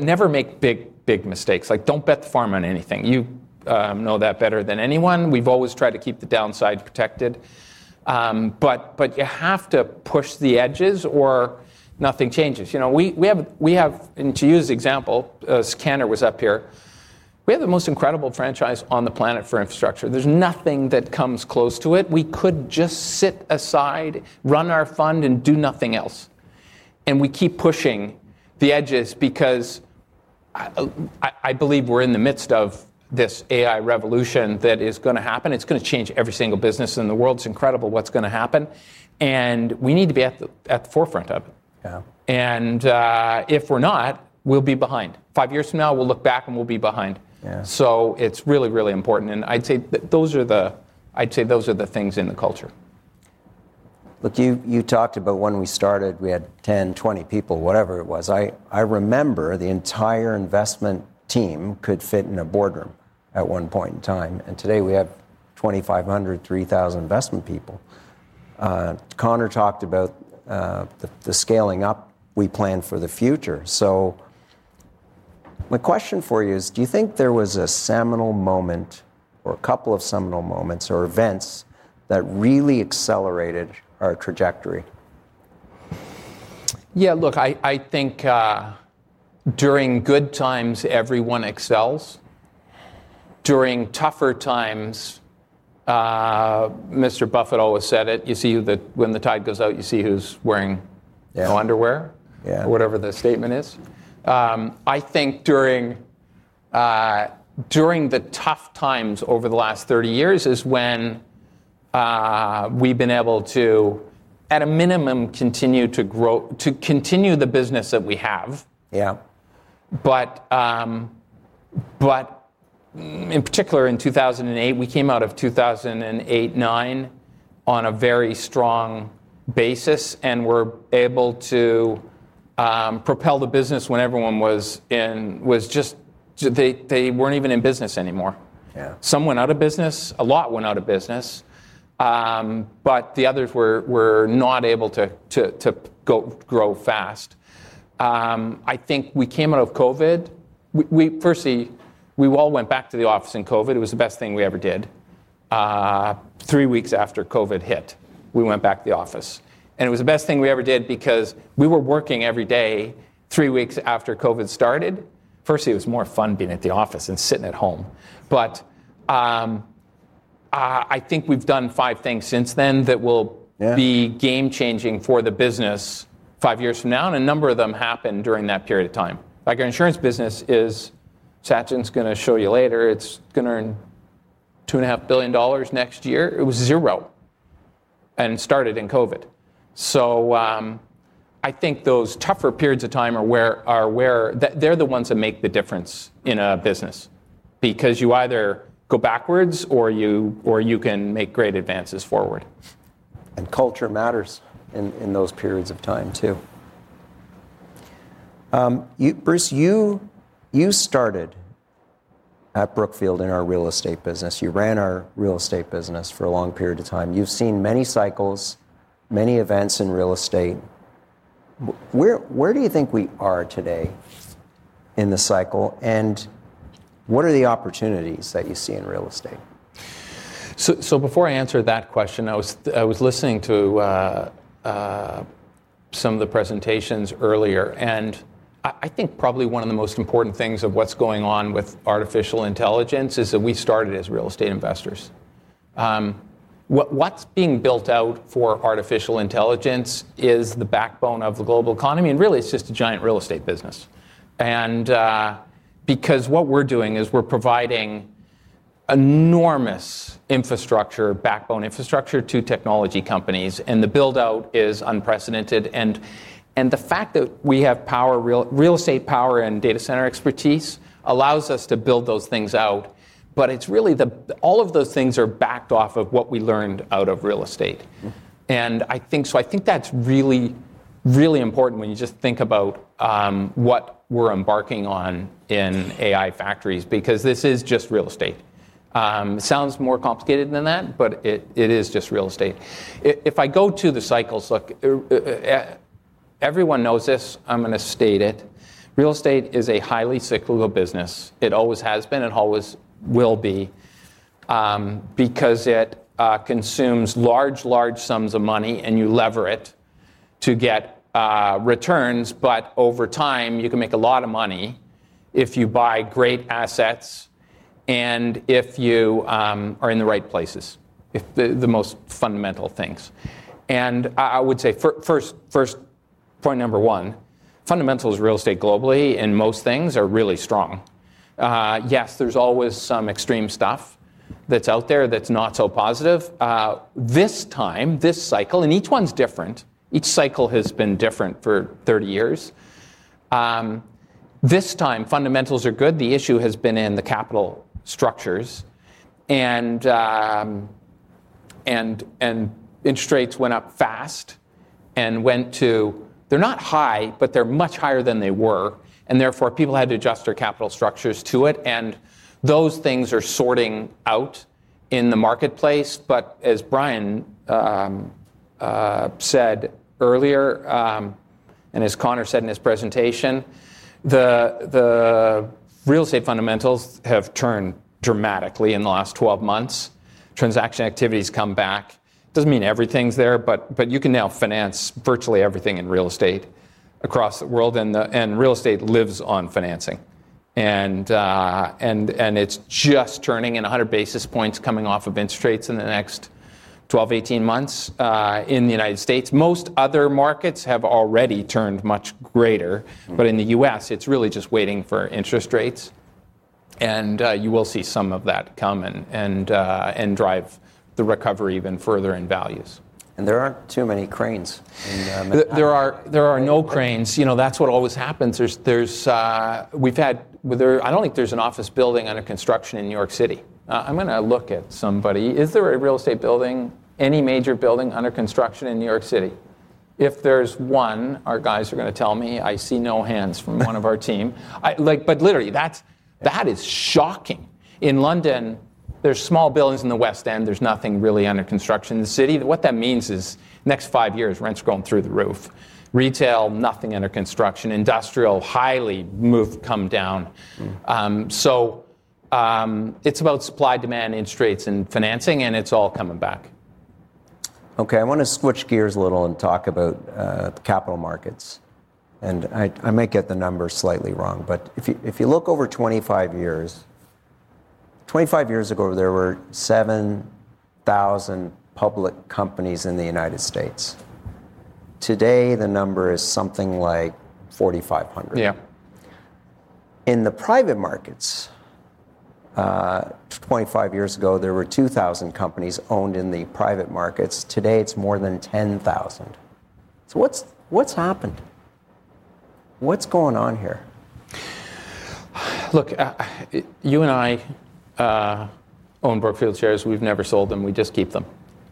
Never make big, big mistakes. Don't bet the farm on anything. You know that better than anyone. We've always tried to keep the downside protected. You have to push the edges, or nothing changes. We have, and to use the example, Sikander was up here. We have the most incredible franchise on the planet for infrastructure. There's nothing that comes close to it. We could just sit aside, run our fund, and do nothing else. We keep pushing the edges because I believe we're in the midst of this AI revolution that is going to happen. It's going to change every single business in the world. It's incredible what's going to happen. We need to be at the forefront of it. Yeah. If we're not, we'll be behind. Five years from now, we'll look back and we'll be behind. Yeah. It's really, really important. I'd say those are the things in the culture. Look, you talked about when we started, we had 10, 20 people, whatever it was. I remember the entire investment team could fit in a boardroom at one point in time. Today, we have 2,500, 3,000 investment people. Connor talked about the scaling up we plan for the future. My question for you is, do you think there was a seminal moment or a couple of seminal moments or events that really accelerated our trajectory? Yeah. Look, I think during good times, everyone excels. During tougher times, Mr. Buffett always said it, you see that when the tide goes out, you see who's wearing no underwear, whatever the statement is. I think during the tough times over the last 30 years is when we've been able to, at a minimum, continue to grow, to continue the business that we have. Yeah. In particular, in 2008, we came out of 2008, 2009 on a very strong basis. We were able to propel the business when everyone was just, they weren't even in business anymore. Yeah. Some went out of business. A lot went out of business. The others were not able to grow fast. I think we came out of COVID. Firstly, we all went back to the office in COVID. It was the best thing we ever did. Three weeks after COVID hit, we went back to the office. It was the best thing we ever did because we were working every day three weeks after COVID started. Firstly, it was more fun being at the office than sitting at home. I think we've done five things since then that will be game-changing for the business five years from now. A number of them happened during that period of time. Our insurance business is, Sachin's going to show you later, it's going to earn $2.5 billion next year. It was zero and started in COVID. I think those tougher periods of time are where they're the ones that make the difference in a business. You either go backwards, or you can make great advances forward. Culture matters in those periods of time too. Bruce, you started at Brookfield in our real estate business. You ran our real estate business for a long period of time. You've seen many cycles, many events in real estate. Where do you think we are today in the cycle? What are the opportunities that you see in real estate? Before I answer that question, I was listening to some of the presentations earlier. I think probably one of the most important things of what's going on with artificial intelligence is that we started as real estate investors. What's being built out for artificial intelligence is the backbone of the global economy. Really, it's just a giant real estate business, because what we're doing is we're providing enormous infrastructure, backbone infrastructure to technology companies. The build-out is unprecedented. The fact that we have real estate power and data center expertise allows us to build those things out. It's really all of those things are backed off of what we learned out of real estate. I think that's really, really important when you just think about what we're embarking on in AI factories, because this is just real estate. It sounds more complicated than that, but it is just real estate. If I go to the cycles, look, everyone knows this. I'm going to state it. Real estate is a highly cyclical business. It always has been. It always will be, because it consumes large, large sums of money, and you lever it to get returns. Over time, you can make a lot of money if you buy great assets and if you are in the right places, the most fundamental things. I would say first point number one, fundamental is real estate globally, and most things are really strong. Yes, there's always some extreme stuff that's out there that's not so positive. This time, this cycle, and each one's different, each cycle has been different for 30 years. This time, fundamentals are good. The issue has been in the capital structures. Interest rates went up fast and went to, they're not high, but they're much higher than they were. Therefore, people had to adjust their capital structures to it. Those things are sorting out in the marketplace. As Brian said earlier, and as Connor said in his presentation, the real estate fundamentals have turned dramatically in the last 12 months. Transaction activities come back. It doesn't mean everything's there, but you can now finance virtually everything in real estate across the world. Real estate lives on financing, and it's just turning in 100 basis points coming off of interest rates in the next 12 to 18 months in the U.S. Most other markets have already turned much greater, but in the U.S., it's really just waiting for interest rates. You will see some of that come and drive the recovery even further in values. There aren't too many cranes in. There are no cranes. That's what always happens. We've had, I don't think there's an office building under construction in New York City. I'm going to look at somebody. Is there a real estate building, any major building under construction in New York City? If there's one, our guys are going to tell me. I see no hands from one of our team. Literally, that is shocking. In London, there's small buildings in the West End. There's nothing really under construction in the city. What that means is the next five years, rents are going through the roof. Retail, nothing under construction. Industrial, highly moved, come down. It's about supply, demand, interest rates, and financing. It's all coming back. OK. I want to switch gears a little and talk about the capital markets. I might get the numbers slightly wrong, but if you look over 25 years, 25 years ago, there were 7,000 public companies in the U.S. Today, the number is something like 4,500. Yeah. In the private markets, 25 years ago, there were 2,000 companies owned in the private markets. Today, it's more than 10,000. What's happened? What's going on here? Look, you and I own Brookfield shares. We've never sold them. We just keep them.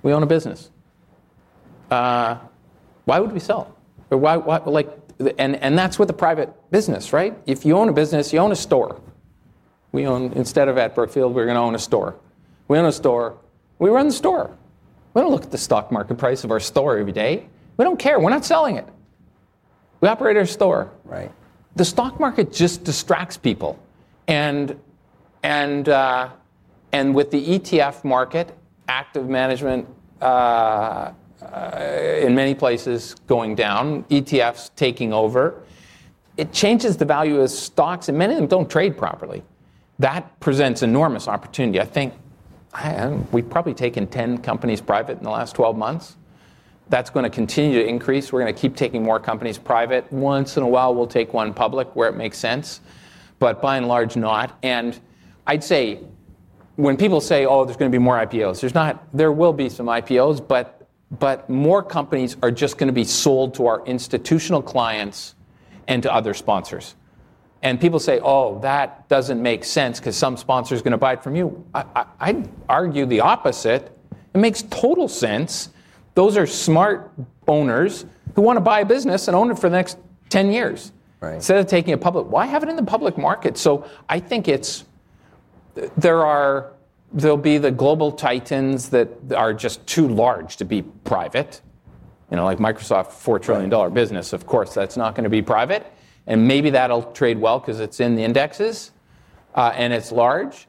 We own a business. Why would we sell? That's with a private business, right? If you own a business, you own a store. Instead of at Brookfield, we're going to own a store. We own a store. We run the store. We don't look at the stock market price of our store every day. We don't care. We're not selling it. We operate our store. Right. The stock market just distracts people. With the ETF market, active management in many places going down, ETFs taking over, it changes the value of stocks. Many of them don't trade properly. That presents enormous opportunity. I think we've probably taken 10 companies private in the last 12 months. That's going to continue to increase. We're going to keep taking more companies private. Once in a while, we'll take one public where it makes sense. By and large, not. I'd say when people say, oh, there's going to be more IPOs, there will be some IPOs. More companies are just going to be sold to our institutional clients and to other sponsors. People say, oh, that doesn't make sense because some sponsor is going to buy it from you. I'd argue the opposite. It makes total sense. Those are smart owners who want to buy a business and own it for the next 10 years. Right. Instead of taking it public, why have it in the public market? I think there'll be the global titans that are just too large to be private. You know, like Microsoft, $4 trillion business, of course, that's not going to be private. Maybe that'll trade well because it's in the indexes and it's large.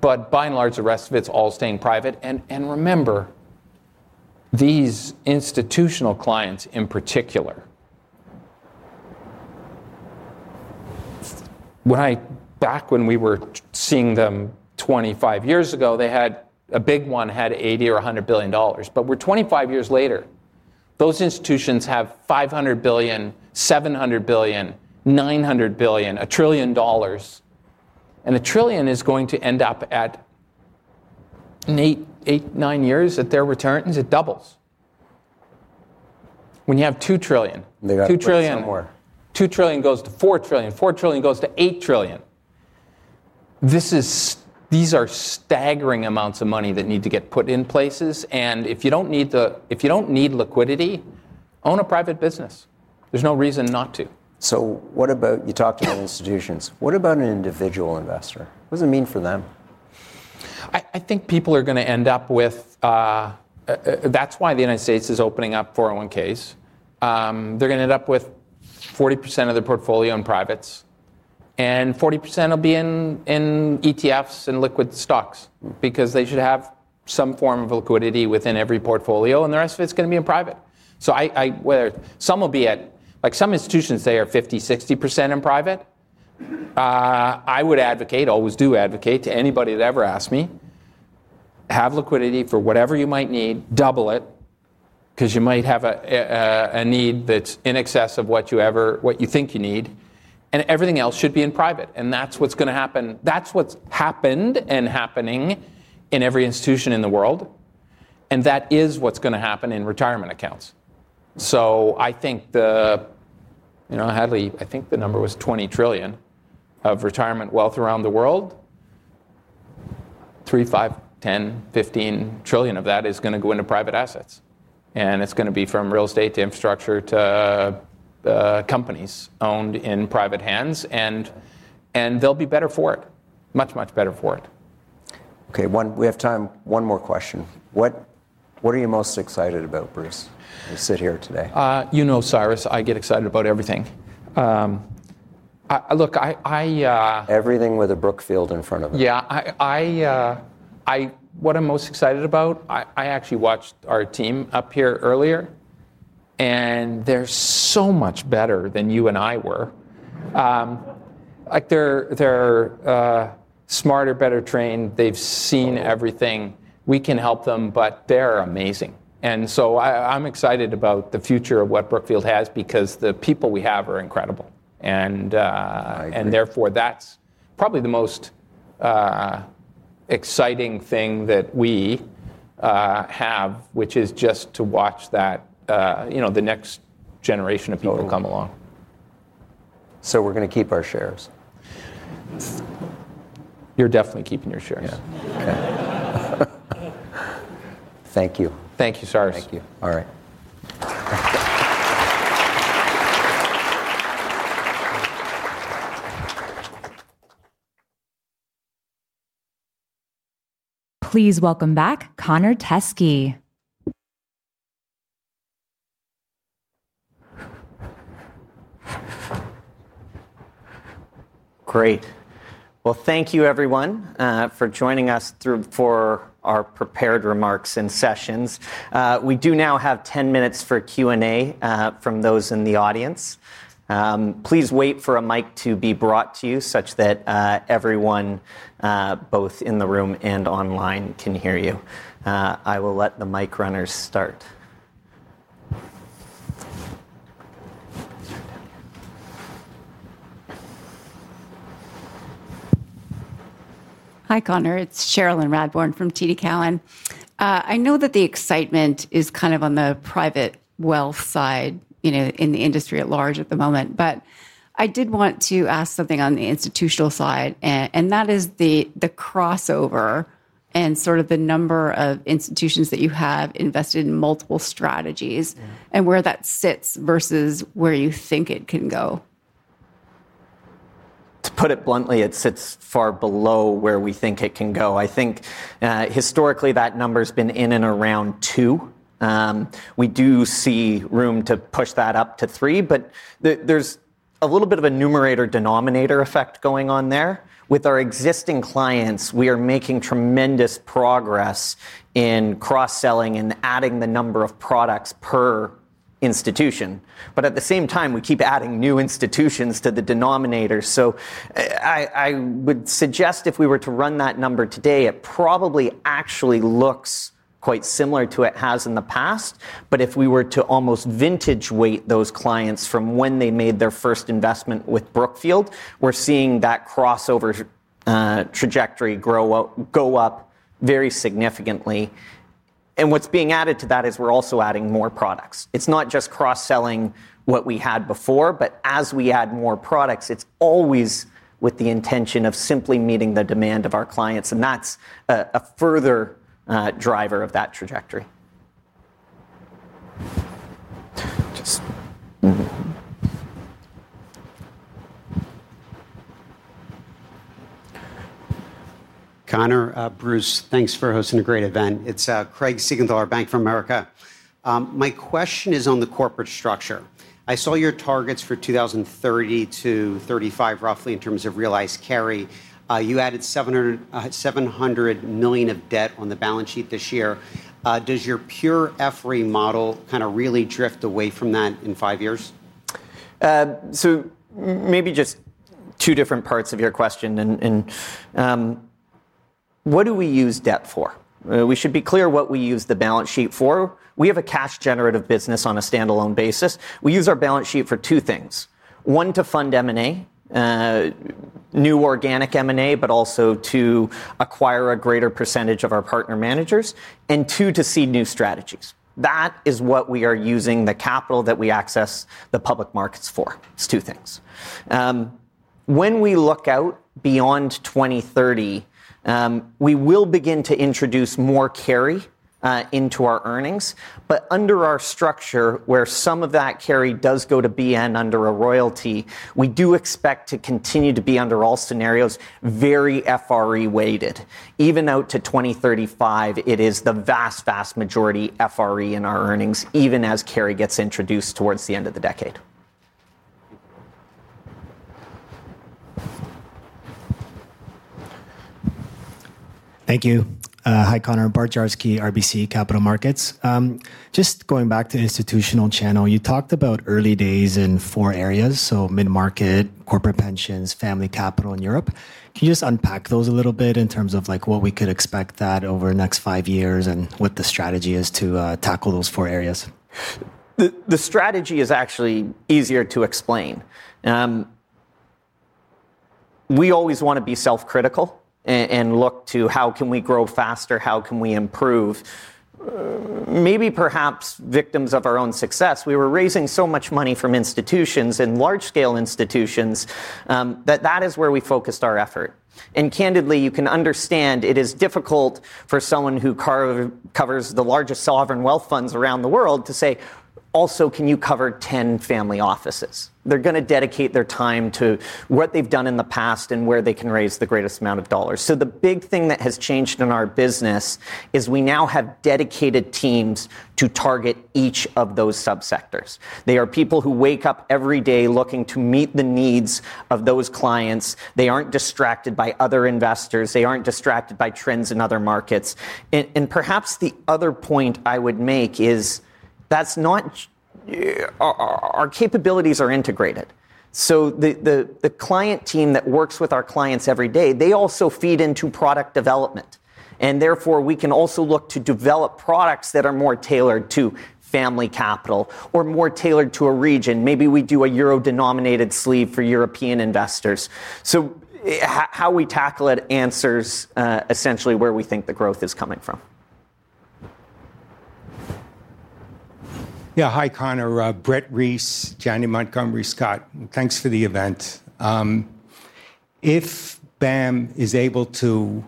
By and large, the rest of it's all staying private. Remember, these institutional clients in particular, back when we were seeing them 25 years ago, a big one had $80 billion or $100 billion. We're 25 years later. Those institutions have $500 billion, $700 billion, $900 billion, $1 trillion. $1 trillion is going to end up at eight, nine years at their return. It doubles when you have $2 trillion. They got $2 trillion somewhere. $2 trillion goes to $4 trillion. $4 trillion goes to $8 trillion. These are staggering amounts of money that need to get put in places. If you don't need liquidity, own a private business. There's no reason not to. You talked to the institutions. What about an individual investor? What does it mean for them? I think people are going to end up with, that's why the U.S. is opening up 401(k)s. They're going to end up with 40% of their portfolio in privates, and 40% will be in ETFs and liquid stocks because they should have some form of liquidity within every portfolio. The rest of it's going to be in private. Whether some will be at, like some institutions, they are 50%, 60% in private. I would advocate, always do advocate to anybody that ever asked me, have liquidity for whatever you might need. Double it because you might have a need that's in excess of what you think you need. Everything else should be in private. That's what's going to happen. That's what's happened and happening in every institution in the world, and that is what's going to happen in retirement accounts. I think the, you know, I think the number was $20 trillion of retirement wealth around the world. $3, $5, $10, $15 trillion of that is going to go into private assets, and it's going to be from real estate to infrastructure to companies owned in private hands. They'll be better for it, much, much better for it. OK. We have time for one more question. What are you most excited about, Bruce, to sit here today? You know, Cyrus, I get excited about everything. Look, I— Everything with a Brookfield in front of it. Yeah. What I'm most excited about, I actually watched our team up here earlier. They're so much better than you and I were. They're smarter, better trained, they've seen everything. We can help them, but they're amazing. I'm excited about the future of what Brookfield Asset Management has because the people we have are incredible. That's probably the most exciting thing that we have, which is just to watch the next generation of people come along. We are going to keep our shares. You're definitely keeping your shares. Yeah. OK. Thank you. Thank you, Cyrus. Thank you. All right. Please welcome back Connor Teskey. Great. Thank you, everyone, for joining us for our prepared remarks and sessions. We do now have 10 minutes for Q&A from those in the audience. Please wait for a mic to be brought to you such that everyone, both in the room and online, can hear you. I will let the mic runners start. Hi, Connor. It's Cherilyn Radbourne from TD Cowan. I know that the excitement is kind of on the private wealth side, you know, in the industry at large at the moment. I did want to ask something on the institutional side. That is the crossover and sort of the number of institutions that you have invested in multiple strategies and where that sits versus where you think it can go. To put it bluntly, it sits far below where we think it can go. I think historically, that number has been in and around 2. We do see room to push that up to 3. There is a little bit of a numerator-denominator effect going on there. With our existing clients, we are making tremendous progress in cross-selling and adding the number of products per institution. At the same time, we keep adding new institutions to the denominator. I would suggest if we were to run that number today, it probably actually looks quite similar to what it has in the past. If we were to almost vintage weight those clients from when they made their first investment with Brookfield, we're seeing that crossover trajectory go up very significantly. What's being added to that is we're also adding more products. It's not just cross-selling what we had before. As we add more products, it's always with the intention of simply meeting the demand of our clients. That's a further driver of that trajectory. Connor, Bruce, thanks for hosting a great event. It's Craig Siegenthaler, Bank of America. My question is on the corporate structure. I saw your targets for 2030 to 2035, roughly, in terms of realized carry. You added $700 million of debt on the balance sheet this year. Does your pure FRE model kind of really drift away from that in five years? Maybe just two different parts of your question. What do we use debt for? We should be clear what we use the balance sheet for. We have a cash-generative business on a standalone basis. We use our balance sheet for two things: one, to fund M&A, new organic M&A, but also to acquire a greater percentage of our partner managers, and two, to seed new strategies. That is what we are using the capital that we access the public markets for. It's two things. When we look out beyond 2030, we will begin to introduce more carry into our earnings. Under our structure, where some of that carry does go to BN under a royalty, we do expect to continue to be, under all scenarios, very FRE weighted. Even out to 2035, it is the vast, vast majority FRE in our earnings, even as carry gets introduced towards the end of the decade. Thank you. Hi, Connor. Bart Dziarski, RBC Capital Markets. Just going back to the institutional channel, you talked about early days in four areas, so mid-market, corporate pensions, family capital, and Europe. Can you just unpack those a little bit in terms of what we could expect over the next five years and what the strategy is to tackle those four areas? The strategy is actually easier to explain. We always want to be self-critical and look to how can we grow faster, how can we improve, maybe perhaps victims of our own success. We were raising so much money from institutions and large-scale institutions that that is where we focused our effort. Candidly, you can understand it is difficult for someone who covers the largest sovereign wealth funds around the world to say, also, can you cover 10 family offices? They're going to dedicate their time to what they've done in the past and where they can raise the greatest amount of dollars. The big thing that has changed in our business is we now have dedicated teams to target each of those subsectors. They are people who wake up every day looking to meet the needs of those clients. They aren't distracted by other investors. They aren't distracted by trends in other markets. Perhaps the other point I would make is that our capabilities are integrated. The client team that works with our clients every day also feeds into product development. Therefore, we can also look to develop products that are more tailored to family capital or more tailored to a region. Maybe we do a euro-denominated sleeve for European investors. How we tackle it answers essentially where we think the growth is coming from. Yeah. Hi, Connor. Brett Reiss, Janney Montgomery Scott, thanks for the event. If Brookfield Asset Management is able to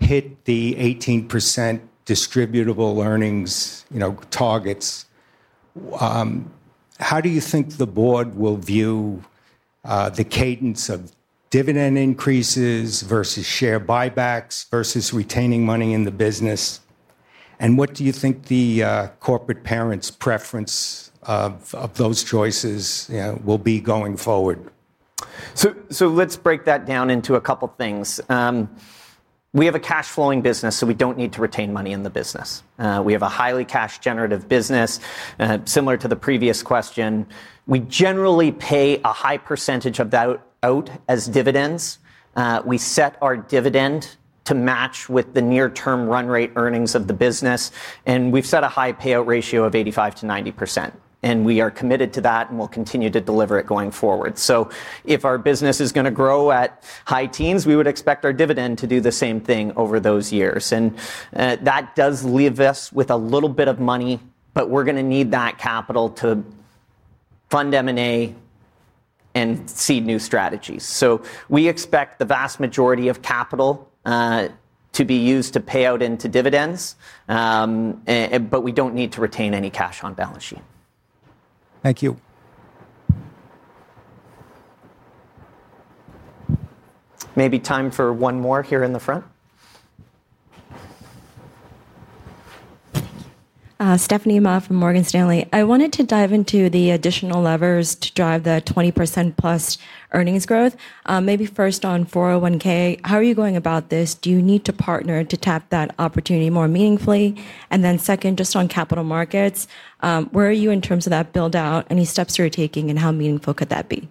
hit the 18% distributable earnings targets, how do you think the board will view the cadence of dividend increases versus share buybacks versus retaining money in the business? What do you think the corporate parent's preference of those choices will be going forward? Let's break that down into a couple of things. We have a cash-flowing business, so we don't need to retain money in the business. We have a highly cash-generative business, similar to the previous question. We generally pay a high percentage of that out as dividends. We set our dividend to match with the near-term run-rate earnings of the business. We've set a high payout ratio of 85% to 90%, and we are committed to that. We'll continue to deliver it going forward. If our business is going to grow at high teens, we would expect our dividend to do the same thing over those years. That does leave us with a little bit of money, but we're going to need that capital to fund M&A and seed new strategies. We expect the vast majority of capital to be used to pay out into dividends, but we don't need to retain any cash on balance sheet. Thank you. Maybe time for one more here in the front. Stephanie Ma from Morgan Stanley. I wanted to dive into the additional levers to drive the 20%+ earnings growth. Maybe first on 401(k). How are you going about this? Do you need to partner to tap that opportunity more meaningfully? Second, just on capital markets, where are you in terms of that build-out? Any steps you're taking? How meaningful could that be?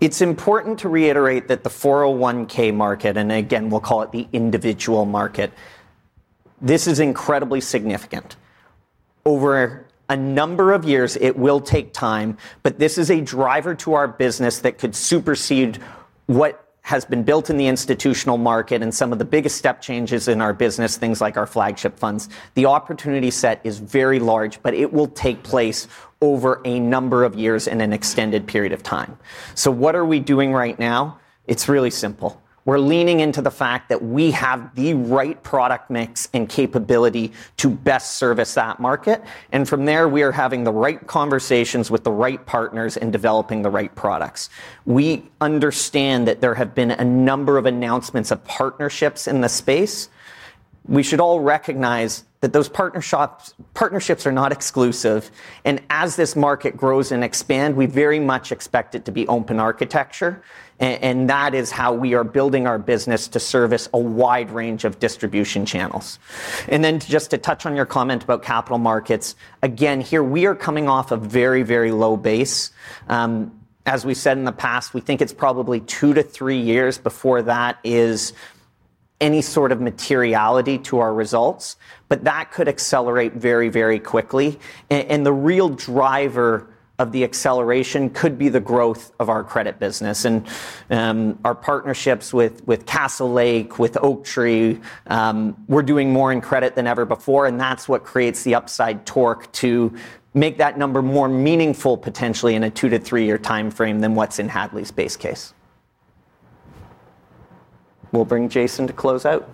It's important to reiterate that the 401(k) market, and again, we'll call it the individual market, this is incredibly significant. Over a number of years, it will take time. This is a driver to our business that could supersede what has been built in the institutional market and some of the biggest step changes in our business, things like our flagship funds. The opportunity set is very large. It will take place over a number of years in an extended period of time. What are we doing right now? It's really simple. We're leaning into the fact that we have the right product mix and capability to best service that market. From there, we are having the right conversations with the right partners and developing the right products. We understand that there have been a number of announcements of partnerships in the space. We should all recognize that those partnerships are not exclusive. As this market grows and expands, we very much expect it to be open architecture. That is how we are building our business to service a wide range of distribution channels. Just to touch on your comment about capital markets, here, we are coming off a very, very low base. As we said in the past, we think it's probably two to three years before that is any sort of materiality to our results. That could accelerate very, very quickly. The real driver of the acceleration could be the growth of our credit business and our partnerships with Castlelake, with Oaktree. We're doing more in credit than ever before. That's what creates the upside torque to make that number more meaningful, potentially, in a two to three-year time frame than what's in Hadley's base case. We'll bring Jason to close out.